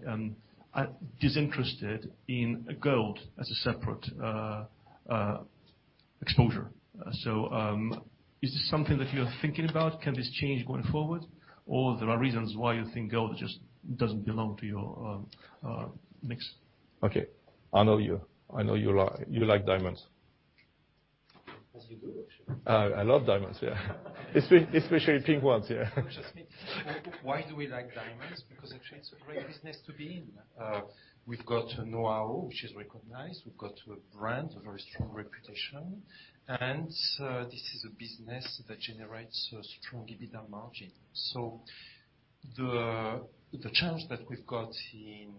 disinterested in gold as a separate exposure. Is this something that you are thinking about? Can this change going forward? there are reasons why you think gold just doesn't belong to your mix? Okay. I know you. I know you like diamonds. As you do, actually. I love diamonds, yeah. Especially pink ones, yeah. Why do we like diamonds? Actually, it's a great business to be in. We've got know-how, which is recognized. We've got a brand, a very strong reputation. This is a business that generates a strong EBITDA margin. The challenge that we've got in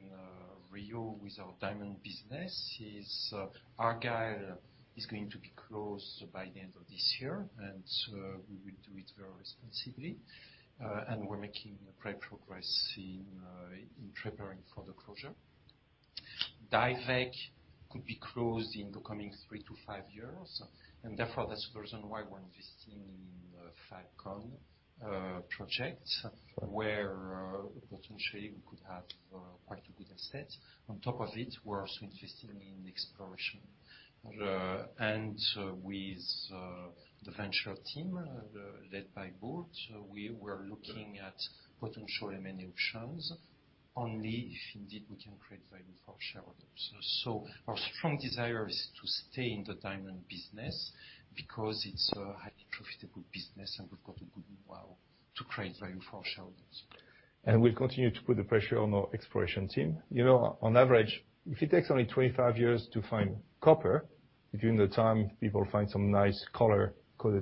Rio with our Diamond business is Argyle is going to be closed by the end of this year. We will do it very responsibly. We're making great progress in preparing for the closure. Diavik could be closed in the coming three to five years. That's the reason why we're investing in FalCon project where potentially we could have quite a good asset. On top of it, we're also investing in exploration. With the venture team led by Bold, we were looking at potential M&A options only if indeed we can create value for shareholders. Our strong desire is to stay in the Diamond business because it's a highly profitable business, and we've got a good while to create value for our shareholders. We'll continue to put the pressure on our exploration team. On average, if it takes only 25 years to find copper, if during the time people find some nice colored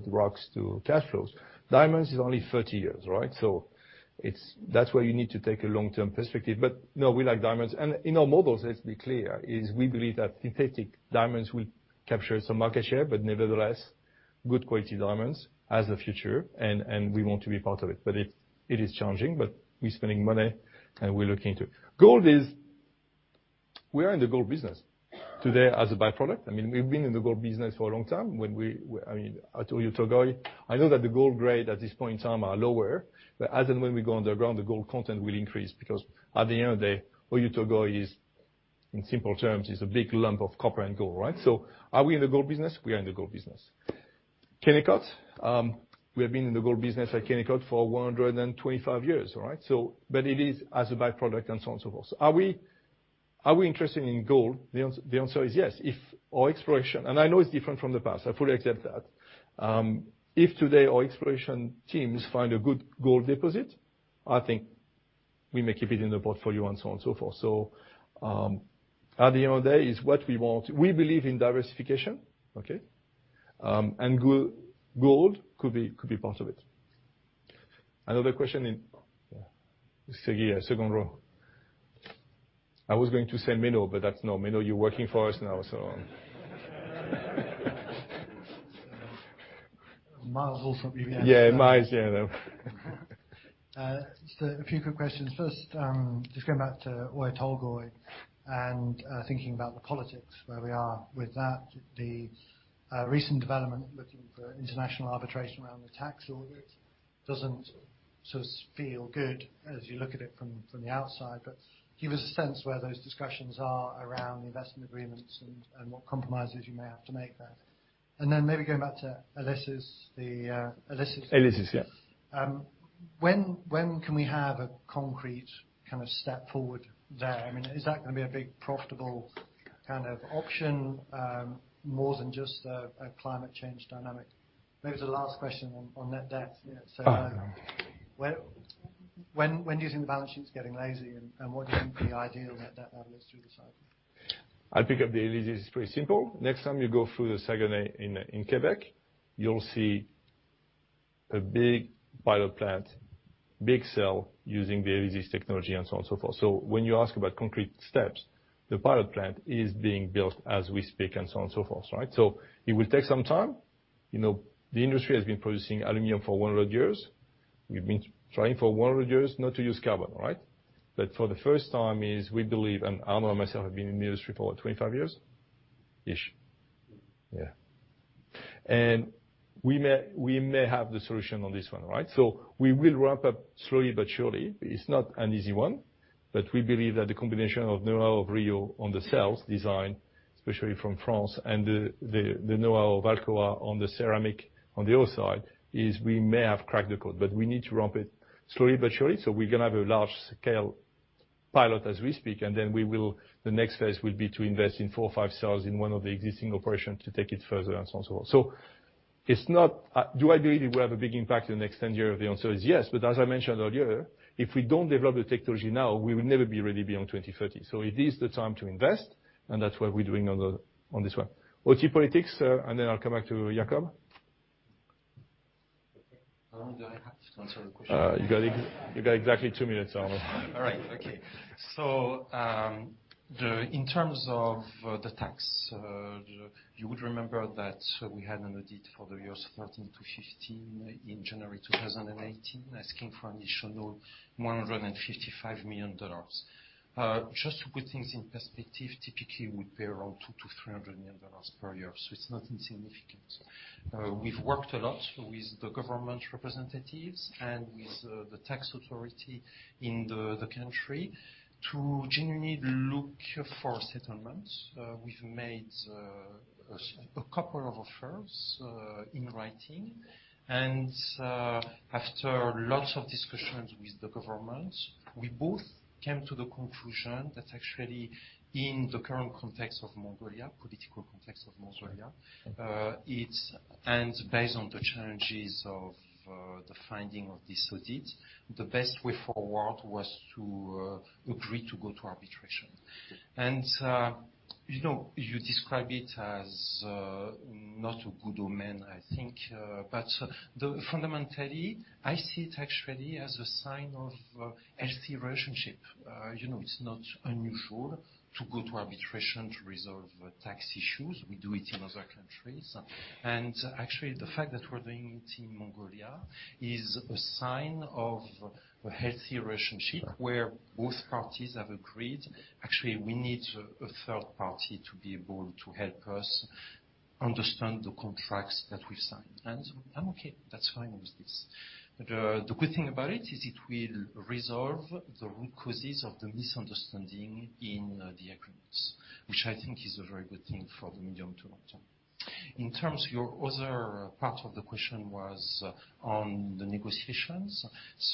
rocks to cash flows, diamonds is only 30 years, right? That's where you need to take a long-term perspective. No, we like diamonds, and in our models, let's be clear, is we believe that synthetic diamonds will capture some market share, but nevertheless, good quality diamonds has a future, and we want to be part of it. It is challenging, but we're spending money, and we're looking into it. We are in the gold business today as a by-product. We've been in the gold business for a long time. At Oyu Tolgoi, I know that the gold grade at this point in time are lower, but as and when we go underground, the gold content will increase because at the end of the day, Oyu Tolgoi is, in simple terms, is a big lump of copper and gold, right? Are we in the gold business? We are in the gold business. Kennecott, we have been in the gold business at Kennecott for 125 years, right? It is as a by-product and so on and so forth. Are we interested in gold? The answer is yes. If our exploration, and I know it's different from the past, I fully accept that. If today our exploration teams find a good gold deposit, I think we may keep it in the portfolio and so on and so forth. At the end of the day, it's what we want. We believe in diversification, okay, and gold could be part of it. Another question in, second row. I was going to say Menno, but that's no. Menno, you're working for us now so on. Myles Yeah, Myles, yeah A few quick questions. First, just going back to Oyu Tolgoi and thinking about the politics, where we are with that. The recent development, looking for international arbitration around the tax audit doesn't feel good as you look at it from the outside. Give us a sense where those discussions are around the investment agreements and what compromises you may have to make there. Maybe going back to ELYSIS. ELYSIS, yeah. When can we have a concrete step forward there? Is that going to be a big profitable kind of option more than just a climate change dynamic? Maybe the last question on net debt. Okay. When do you think the balance sheet's getting lazy, and what do you think the ideal net debt level is through the cycle? I'll pick up the ELYSIS. It's pretty simple. Next time you go through Saguenay in Quebec, you'll see a big pilot plant, big cell using the ELYSIS technology and so on and so forth. When you ask about concrete steps, the pilot plant is being built as we speak and so on and so forth. It will take some time. The industry has been producing aluminum for 100 years. We've been trying for 100 years not to use carbon, right? For the first time is we believe, and Arnaud and myself have been in the industry for 25 years-ish. Yeah. We may have the solution on this one. We will ramp up slowly but surely. It's not an easy one, but we believe that the combination of know-how of Rio on the cells design, especially from France and the know-how of Alcoa on the ceramic on the other side, is we may have cracked the code. We need to ramp it slowly but surely. We're going to have a large-scale pilot as we speak, and then the next phase will be to invest in four or five cells in one of the existing operations to take it further and so on and so forth. Do I believe we have a big impact in the next 10 years? The answer is yes. As I mentioned earlier, if we don't develop the technology now, we will never be ready beyond 2030. It is the time to invest, and that's what we're doing on this one. Oyu Tolgoi politics, I'll come back to Jakob. How long do I have to answer the question? You got exactly two minutes, Arnaud. All right. Okay. In terms of the tax, you would remember that we had an audit for the years 2014 to 2015 in January 2018, asking for an additional $155 million. Just to put things in perspective, typically, we pay around $200 million to $300 million per year. It's not insignificant. We've worked a lot with the government representatives and with the tax authority in the country to genuinely look for settlements. We've made a couple of offers in writing. After lots of discussions with the government, we both came to the conclusion that actually in the current context of Mongolia, political context of Mongolia, and based on the challenges of the finding of this audit, the best way forward was to agree to go to arbitration. You describe it as not a good omen, I think. Fundamentally, I see it actually as a sign of a healthy relationship. It's not unusual to go to arbitration to resolve tax issues. We do it in other countries. Actually, the fact that we're doing it in Mongolia is a sign of a healthy relationship where both parties have agreed, actually, we need a third party to be able to help us understand the contracts that we've signed. I'm okay. That's fine with this. The good thing about it is it will resolve the root causes of the misunderstanding in the agreements. Which I think is a very good thing for the medium to long-term. In terms of your other part of the question was on the negotiations.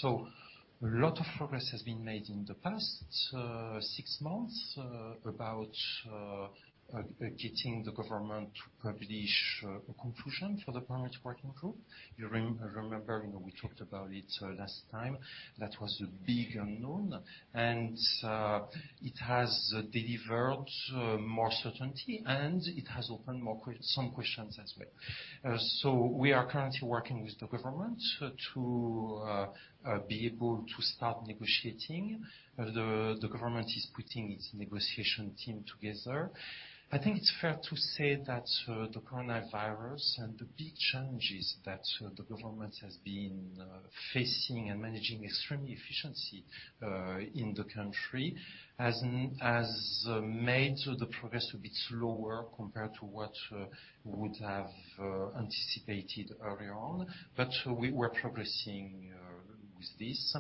A lot of progress has been made in the past six months about getting the government to publish a conclusion for the permanent working group. You remember, we talked about it last time. That was a big unknown, and it has delivered more certainty, and it has opened some questions as well. We are currently working with the government to be able to start negotiating. The government is putting its negotiation team together. I think it's fair to say that the coronavirus and the big challenges that the government has been facing and managing extremely efficiently in the country has made the progress a bit slower compared to what we would have anticipated earlier on. We're progressing with this.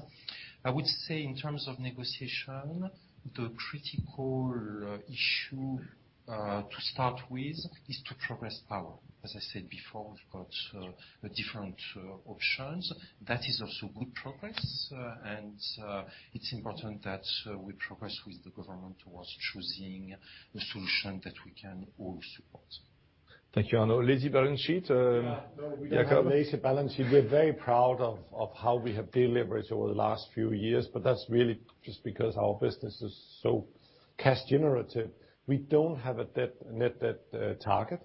I would say in terms of negotiation, the critical issue to start with is to progress power. As I said before, we've got different options. That is also good progress, and it's important that we progress with the government towards choosing a solution that we can all support. Thank you, Arnaud. Lazy balance sheet, Jakob? No, we don't have a lazy balance sheet. We're very proud of how we have deleveraged over the last few years, but that's really just because our business is so cash generative. We don't have a net debt target,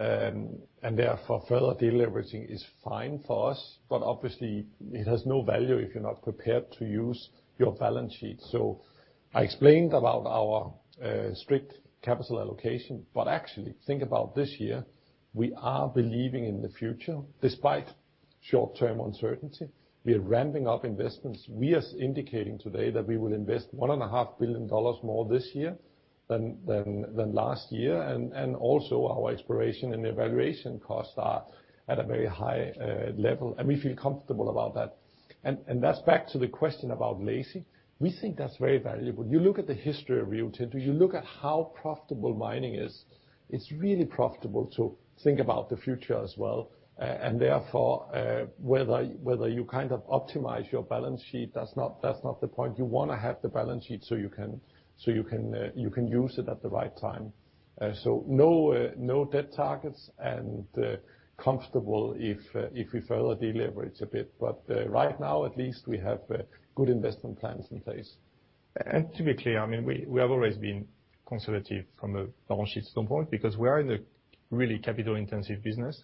and therefore, further deleveraging is fine for us. Obviously, it has no value if you're not prepared to use your balance sheet. I explained about our strict capital allocation. Actually, think about this year. We are believing in the future despite short-term uncertainty. We are ramping up investments. We are indicating today that we will invest $1.5 billion more this year than last year, and also our exploration and evaluation costs are at a very high level, and we feel comfortable about that. That's back to the question about lazy. We think that's very valuable. You look at the history of Rio Tinto, you look at how profitable mining is. It's really profitable to think about the future as well. Therefore, whether you optimize your balance sheet, that's not the point. You want to have the balance sheet so you can use it at the right time. No debt targets, and comfortable if we further deleverage a bit. Right now, at least, we have good investment plans in place. To be clear, we have always been conservative from a balance sheet standpoint because we are in a really capital-intensive business.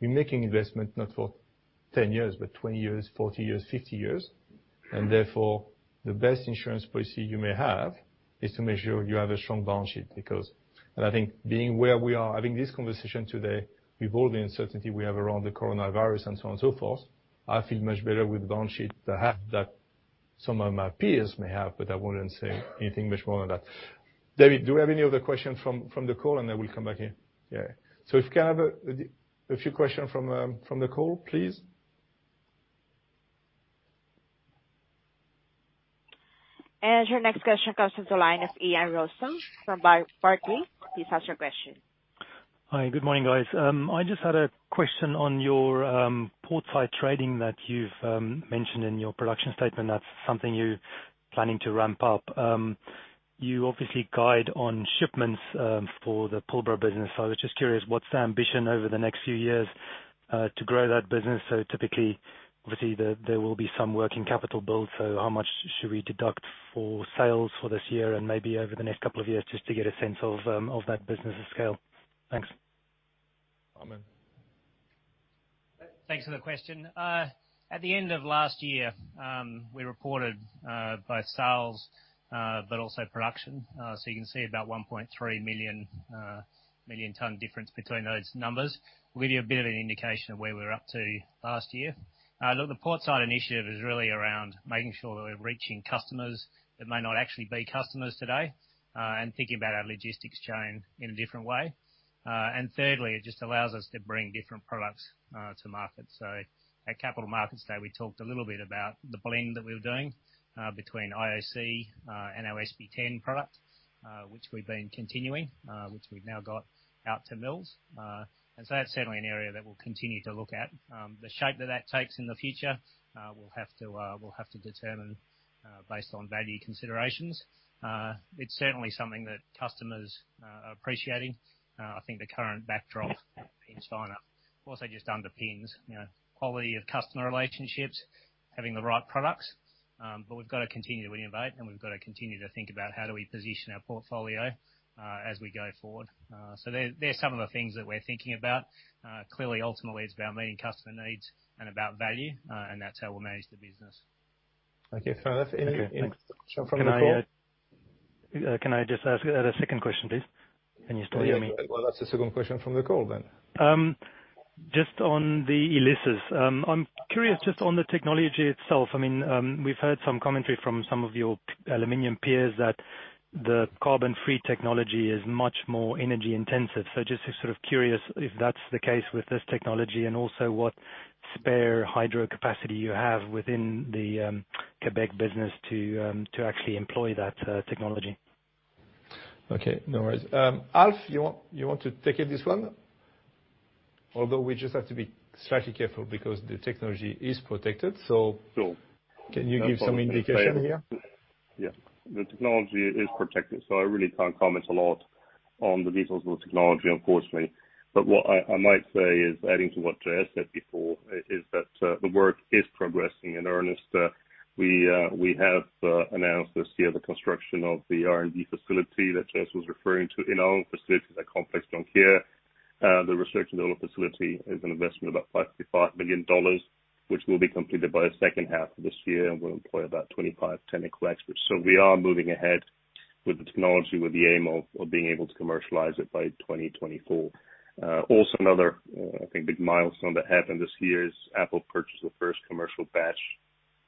We are making investment not for 10 years, but 20 years, 40 years, 50 years. Therefore, the best insurance policy you may have is to make sure you have a strong balance sheet. I think being where we are, having this conversation today with all the uncertainty we have around the coronavirus and so on and so forth, I feel much better with the balance sheet than some of my peers may have, but I wouldn't say anything much more than that. David, do we have any other questions from the call and then we'll come back here? Yeah. If we can have a few questions from the call, please. Your next question comes from the line of Ian Rossouw from Barclays. Please ask your question. Hi. Good morning, guys. I just had a question on your port site trading that you've mentioned in your production statement. That's something you're planning to ramp up. You obviously guide on shipments for the Pilbara business. I was just curious, what's the ambition over the next few years to grow that business? Typically, obviously, there will be some working capital build. How much should we deduct for sales for this year and maybe over the next couple of years just to get a sense of that business scale? Thanks. Simon? Thanks for the question. At the end of last year, we reported both sales but also production. You can see about 1.3 million tons difference between those numbers. We'll give you a bit of an indication of where we were up to last year. Look, the port side initiative is really around making sure that we're reaching customers that may not actually be customers today, and thinking about our logistics chain in a different way. Thirdly, it just allows us to bring different products to market. At Capital Markets Day, we talked a little bit about the blend that we were doing between IOC and our SP10 product, which we've been continuing, which we've now got out to mills. That's certainly an area that we'll continue to look at. The shape that that takes in the future, we'll have to determine based on value considerations. It's certainly something that customers are appreciating. I think the current backdrop in China also just underpins quality of customer relationships, having the right products. We've got to continue to innovate, and we've got to continue to think about how do we position our portfolio as we go forward. They're some of the things that we're thinking about. Clearly, ultimately, it's about meeting customer needs and about value, and that's how we'll manage the business. Okay. Further from the call? Can I just ask a second question, please? Can you still hear me? Well, that's the second question from the call then. Just on ELYSIS. I'm curious just on the technology itself. We've heard some commentary from some of your aluminum peers that the carbon-free technology is much more energy intensive. Just sort of curious if that's the case with this technology and also what spare hydro capacity you have within the Quebec business to actually employ that technology. Okay, no worries. Alf, you want to take this one? Although we just have to be slightly careful because the technology is protected. Sure Can you give some indication here? Yeah. The technology is protected. I really can't comment a lot on the details of the technology, unfortunately. What I might say is, adding to what J.S. said before, is that the work is progressing in earnest. We have announced this year the construction of the R&D facility that J.S. was referring to in our own facilities at Complexe Jonquière. The research and development facility is an investment of about 55 million dollars, which will be completed by the second half of this year and will employ about 25 technical experts. We are moving ahead with the technology, with the aim of being able to commercialize it by 2024. Also another, I think, big milestone that happened this year is Apple purchased the first commercial batch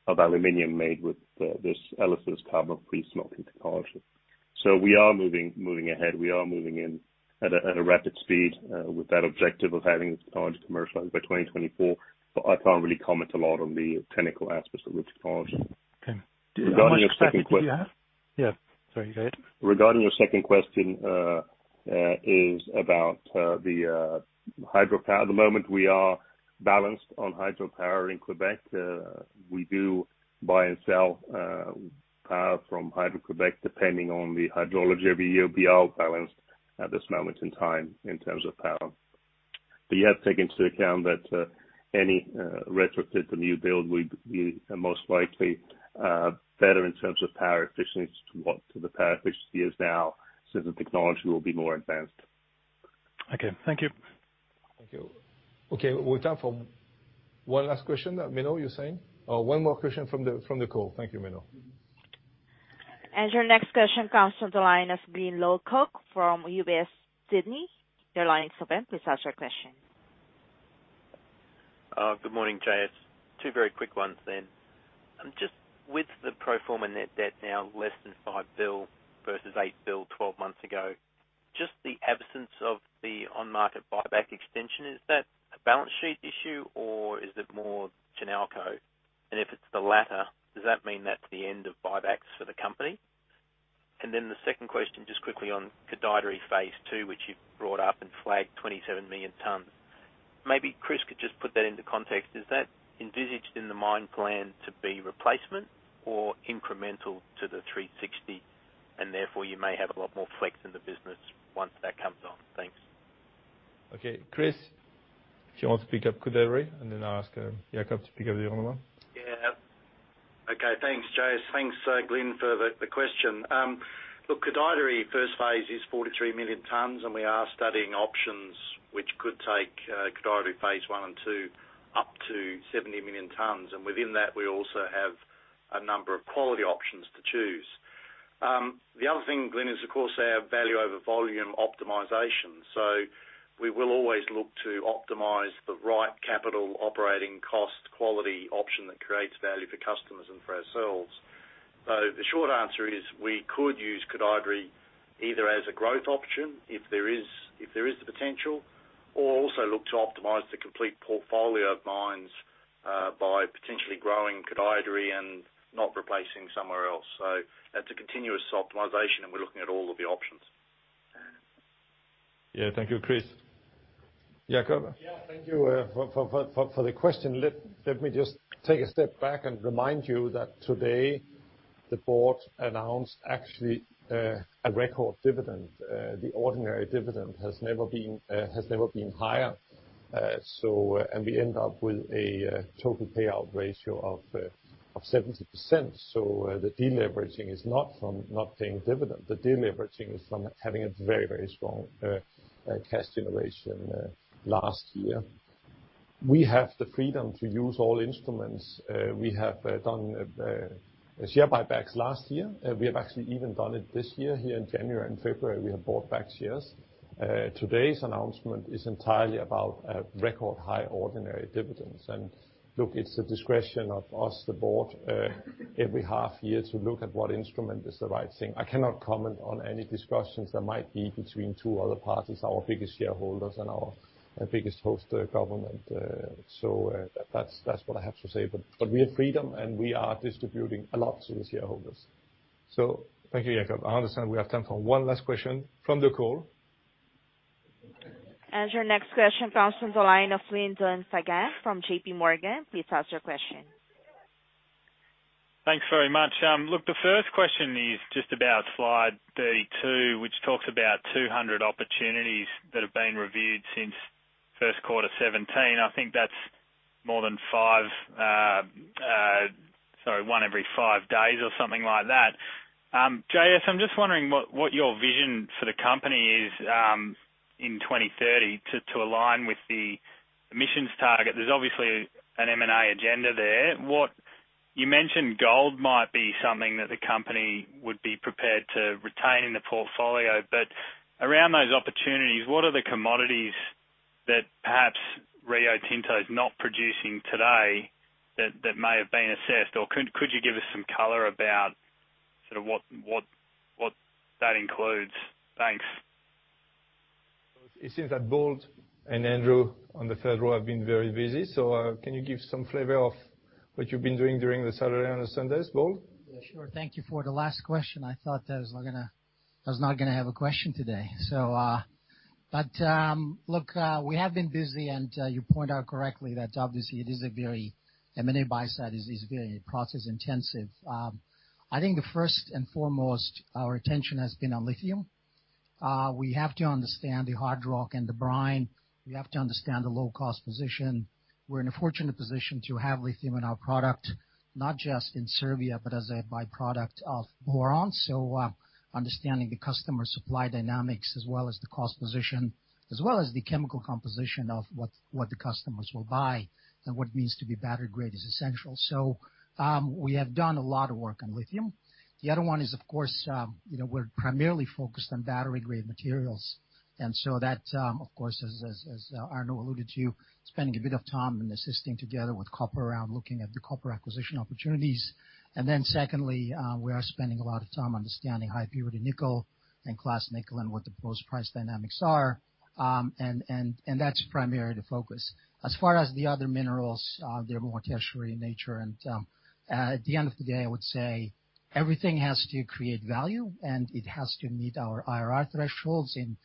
of aluminum made with this ELYSIS carbon free-smelting technology. We are moving ahead. We are moving in at a rapid speed, with that objective of having the technology commercialized by 2024. I can't really comment a lot on the technical aspects of the technology. Okay. How much capacity do you have? Regarding your second question. Yeah. Sorry, go ahead. Regarding your second question, is about the hydropower. At the moment, we are balanced on hydropower in Quebec. We do buy and sell power from Hydro-Québec, depending on the hydrology every year. We are balanced at this moment in time in terms of power. You have to take into account that any retrofit or new build would be most likely better in terms of power efficiency to the power efficiency is now, since the technology will be more advanced. Okay. Thank you. Thank you. Okay, we have time for one last question. Menno, you were saying? Oh, one more question from the call. Thank you, Menno. Your next question comes from the line of Glyn Lawcock from UBS, Sydney. Your line is open. Please ask your question. Good morning, J.S. Two very quick ones. Just with the pro forma net debt now less than $5 billion versus $8 billion 12 months ago, just the absence of the on-market buyback extension, is that a balance sheet issue or is it more Chinalco? If it's the latter, does that mean that's the end of buybacks for the company? The second question, just quickly on the Koodaideri Phase 2, which you've brought up and flagged 27 million tons. Maybe Chris could just put that into context. Is that envisaged in the mine plan to be replacement or incremental to the 360, and therefore you may have a lot more flex in the business once that comes on? Thanks. Okay. Chris, if you want to pick up Koodaideri, I'll ask Jakob to pick up the other one. Okay. Thanks, J.S. Thanks, Glyn, for the question. Koodaideri Phase 1 is 43 million tons. We are studying options which could take Koodaideri Phase 1 and 2 up to 70 million tons. Within that, we also have a number of quality options to choose. The other thing, Glyn, is, of course, our value over volume optimization. We will always look to optimize the right capital operating cost quality option that creates value for customers and for ourselves. The short answer is, we could use Koodaideri either as a growth option if there is the potential, or also look to optimize the complete portfolio of mines, by potentially growing Koodaideri and not replacing somewhere else. That's a continuous optimization, and we're looking at all of the options. Yeah. Thank you, Chris. Jakob? Yeah. Thank you for the question. Let me just take a step back and remind you that today the Board announced actually, a record dividend. The ordinary dividend has never been higher. We end up with a total payout ratio of 70%. The deleveraging is not from not paying dividend. The deleveraging is from having a very strong cash generation last year. We have the freedom to use all instruments. We have done share buybacks last year. We have actually even done it this year here in January and February, we have bought back shares. Today's announcement is entirely about record high ordinary dividends. Look, it's the discretion of us, the Board, every half year to look at what instrument is the right thing. I cannot comment on any discussions that might be between two other parties, our biggest shareholders and our biggest host government. That's what I have to say. We have freedom, and we are distributing a lot to the shareholders. Thank you, Jakob. I understand we have time for one last question from the call. Your next question comes from the line of Lyndon Fagan from JPMorgan. Please ask your question. Thanks very much. The first question is just about slide 32, which talks about 200 opportunities that have been reviewed since first quarter 2017. I think that's more than one every five days or something like that. J.S., I'm just wondering what your vision for the company is, in 2030 to align with the emissions target. There's obviously an M&A agenda there. You mentioned gold might be something that the company would be prepared to retain in the portfolio. Around those opportunities, what are the commodities that perhaps Rio Tinto is not producing today that may have been assessed? Could you give us some color about sort of what that includes? Thanks. It seems that Bold and Andrew on the third row have been very busy. Can you give some flavor of what you've been doing during the Saturday and Sundays? Bold? Yeah, sure. Thank you for the last question. I thought I was not going to have a question today. Look, we have been busy, and you point out correctly that obviously, M&A buy-side is very process-intensive. I think the first and foremost, our attention has been on lithium. We have to understand the hard rock and the brine. We have to understand the low-cost position. We're in a fortunate position to have lithium in our product, not just in Serbia, but as a by-product of boron. Understanding the customer supply dynamics, as well as the cost position, as well as the chemical composition of what the customers will buy and what it means to be battery-grade, is essential. We have done a lot of work on lithium. The other one is, of course, we're primarily focused on battery-grade materials. That, of course, as Arnaud alluded to, spending a bit of time and assisting together with copper around looking at the copper acquisition opportunities. Secondly, we are spending a lot of time understanding high-purity nickel and class nickel and what the post-price dynamics are. That's primarily the focus. As far as the other minerals, they're more tertiary in nature and, at the end of the day, I would say everything has to create value, and it has to meet our IRR thresholds and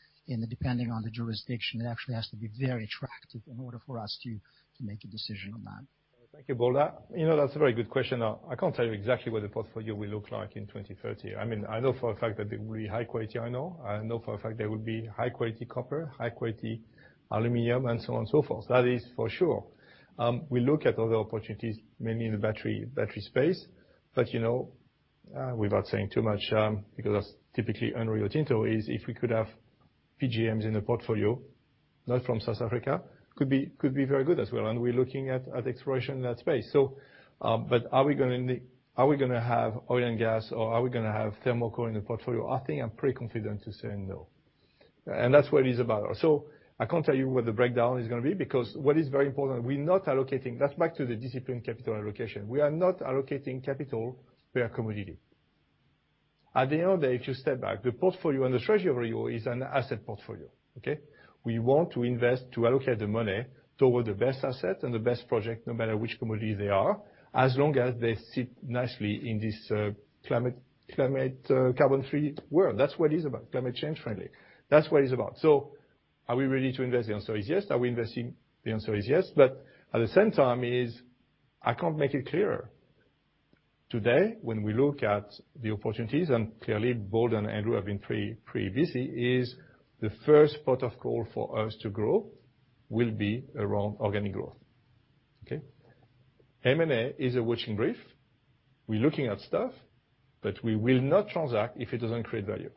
depending on the jurisdiction, it actually has to be very attractive in order for us to make a decision on that. Thank you, Bold. That's a very good question. I can't tell you exactly what the portfolio will look like in 2030. I know for a fact that there will be high-quality iron ore. I know for a fact there will be high-quality copper, high-quality aluminum, and so on and so forth. That is for sure. We look at other opportunities, mainly in the battery space. Without saying too much, because that's typically under Rio Tinto, is if we could have PGMs in the portfolio, not from South Africa, could be very good as well. We're looking at exploration in that space. Are we going to have oil and gas or are we going to have thermal coal in the portfolio? I think I'm pretty confident to say no. That's what it is about. I can't tell you what the breakdown is going to be because what is very important, that's back to the disciplined capital allocation, we are not allocating capital per commodity. At the end of the day, if you step back, the portfolio and the treasury is an asset portfolio. Okay? We want to invest, to allocate the money towards the best asset and the best project, no matter which commodity they are, as long as they sit nicely in this climate carbon-free world. That's what it is about. Climate change-friendly. That's what it's about. Are we ready to invest? The answer is yes. Are we investing? The answer is yes. At the same time, I can't make it clearer. Today, when we look at the opportunities, and clearly Bold and Andrew have been pretty busy, is the first port of call for us to grow will be around organic growth. Okay? M&A is a watching brief. We're looking at stuff, we will not transact if it doesn't create value.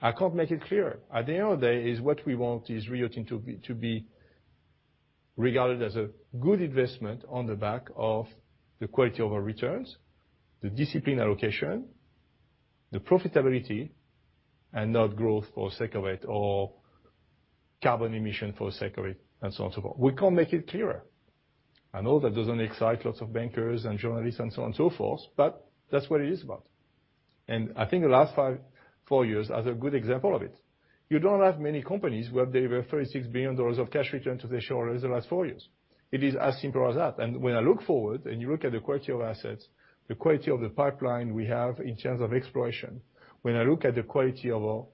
I can't make it clearer. At the end of the day is what we want is Rio Tinto to be regarded as a good investment on the back of the quality of our returns, the discipline allocation, the profitability, and not growth for sake of it or carbon emission for sake of it, and so on, so forth. We can't make it clearer. I know that doesn't excite lots of bankers and journalists and so on and so forth, that's what it is about. I think the last four years are a good example of it. You don't have many companies where they were $36 billion of cash return to the shareholders the last four years. It is as simple as that. When I look forward and you look at the quality of assets, the quality of the pipeline we have in terms of exploration, when I look at the quality of our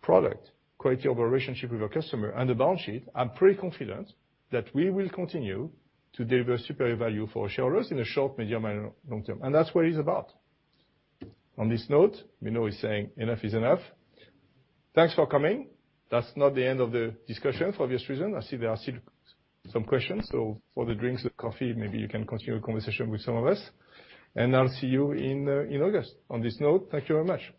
product, quality of our relationship with our customer, and the balance sheet, I'm pretty confident that we will continue to deliver superior value for our shareholders in the short, medium, and long term. That's what it's about. On this note, Menno is saying enough is enough. Thanks for coming. That's not the end of the discussion for obvious reasons. I see there are still some questions. For the drinks, the coffee, maybe you can continue a conversation with some of us. I'll see you in August. On this note, thank you very much.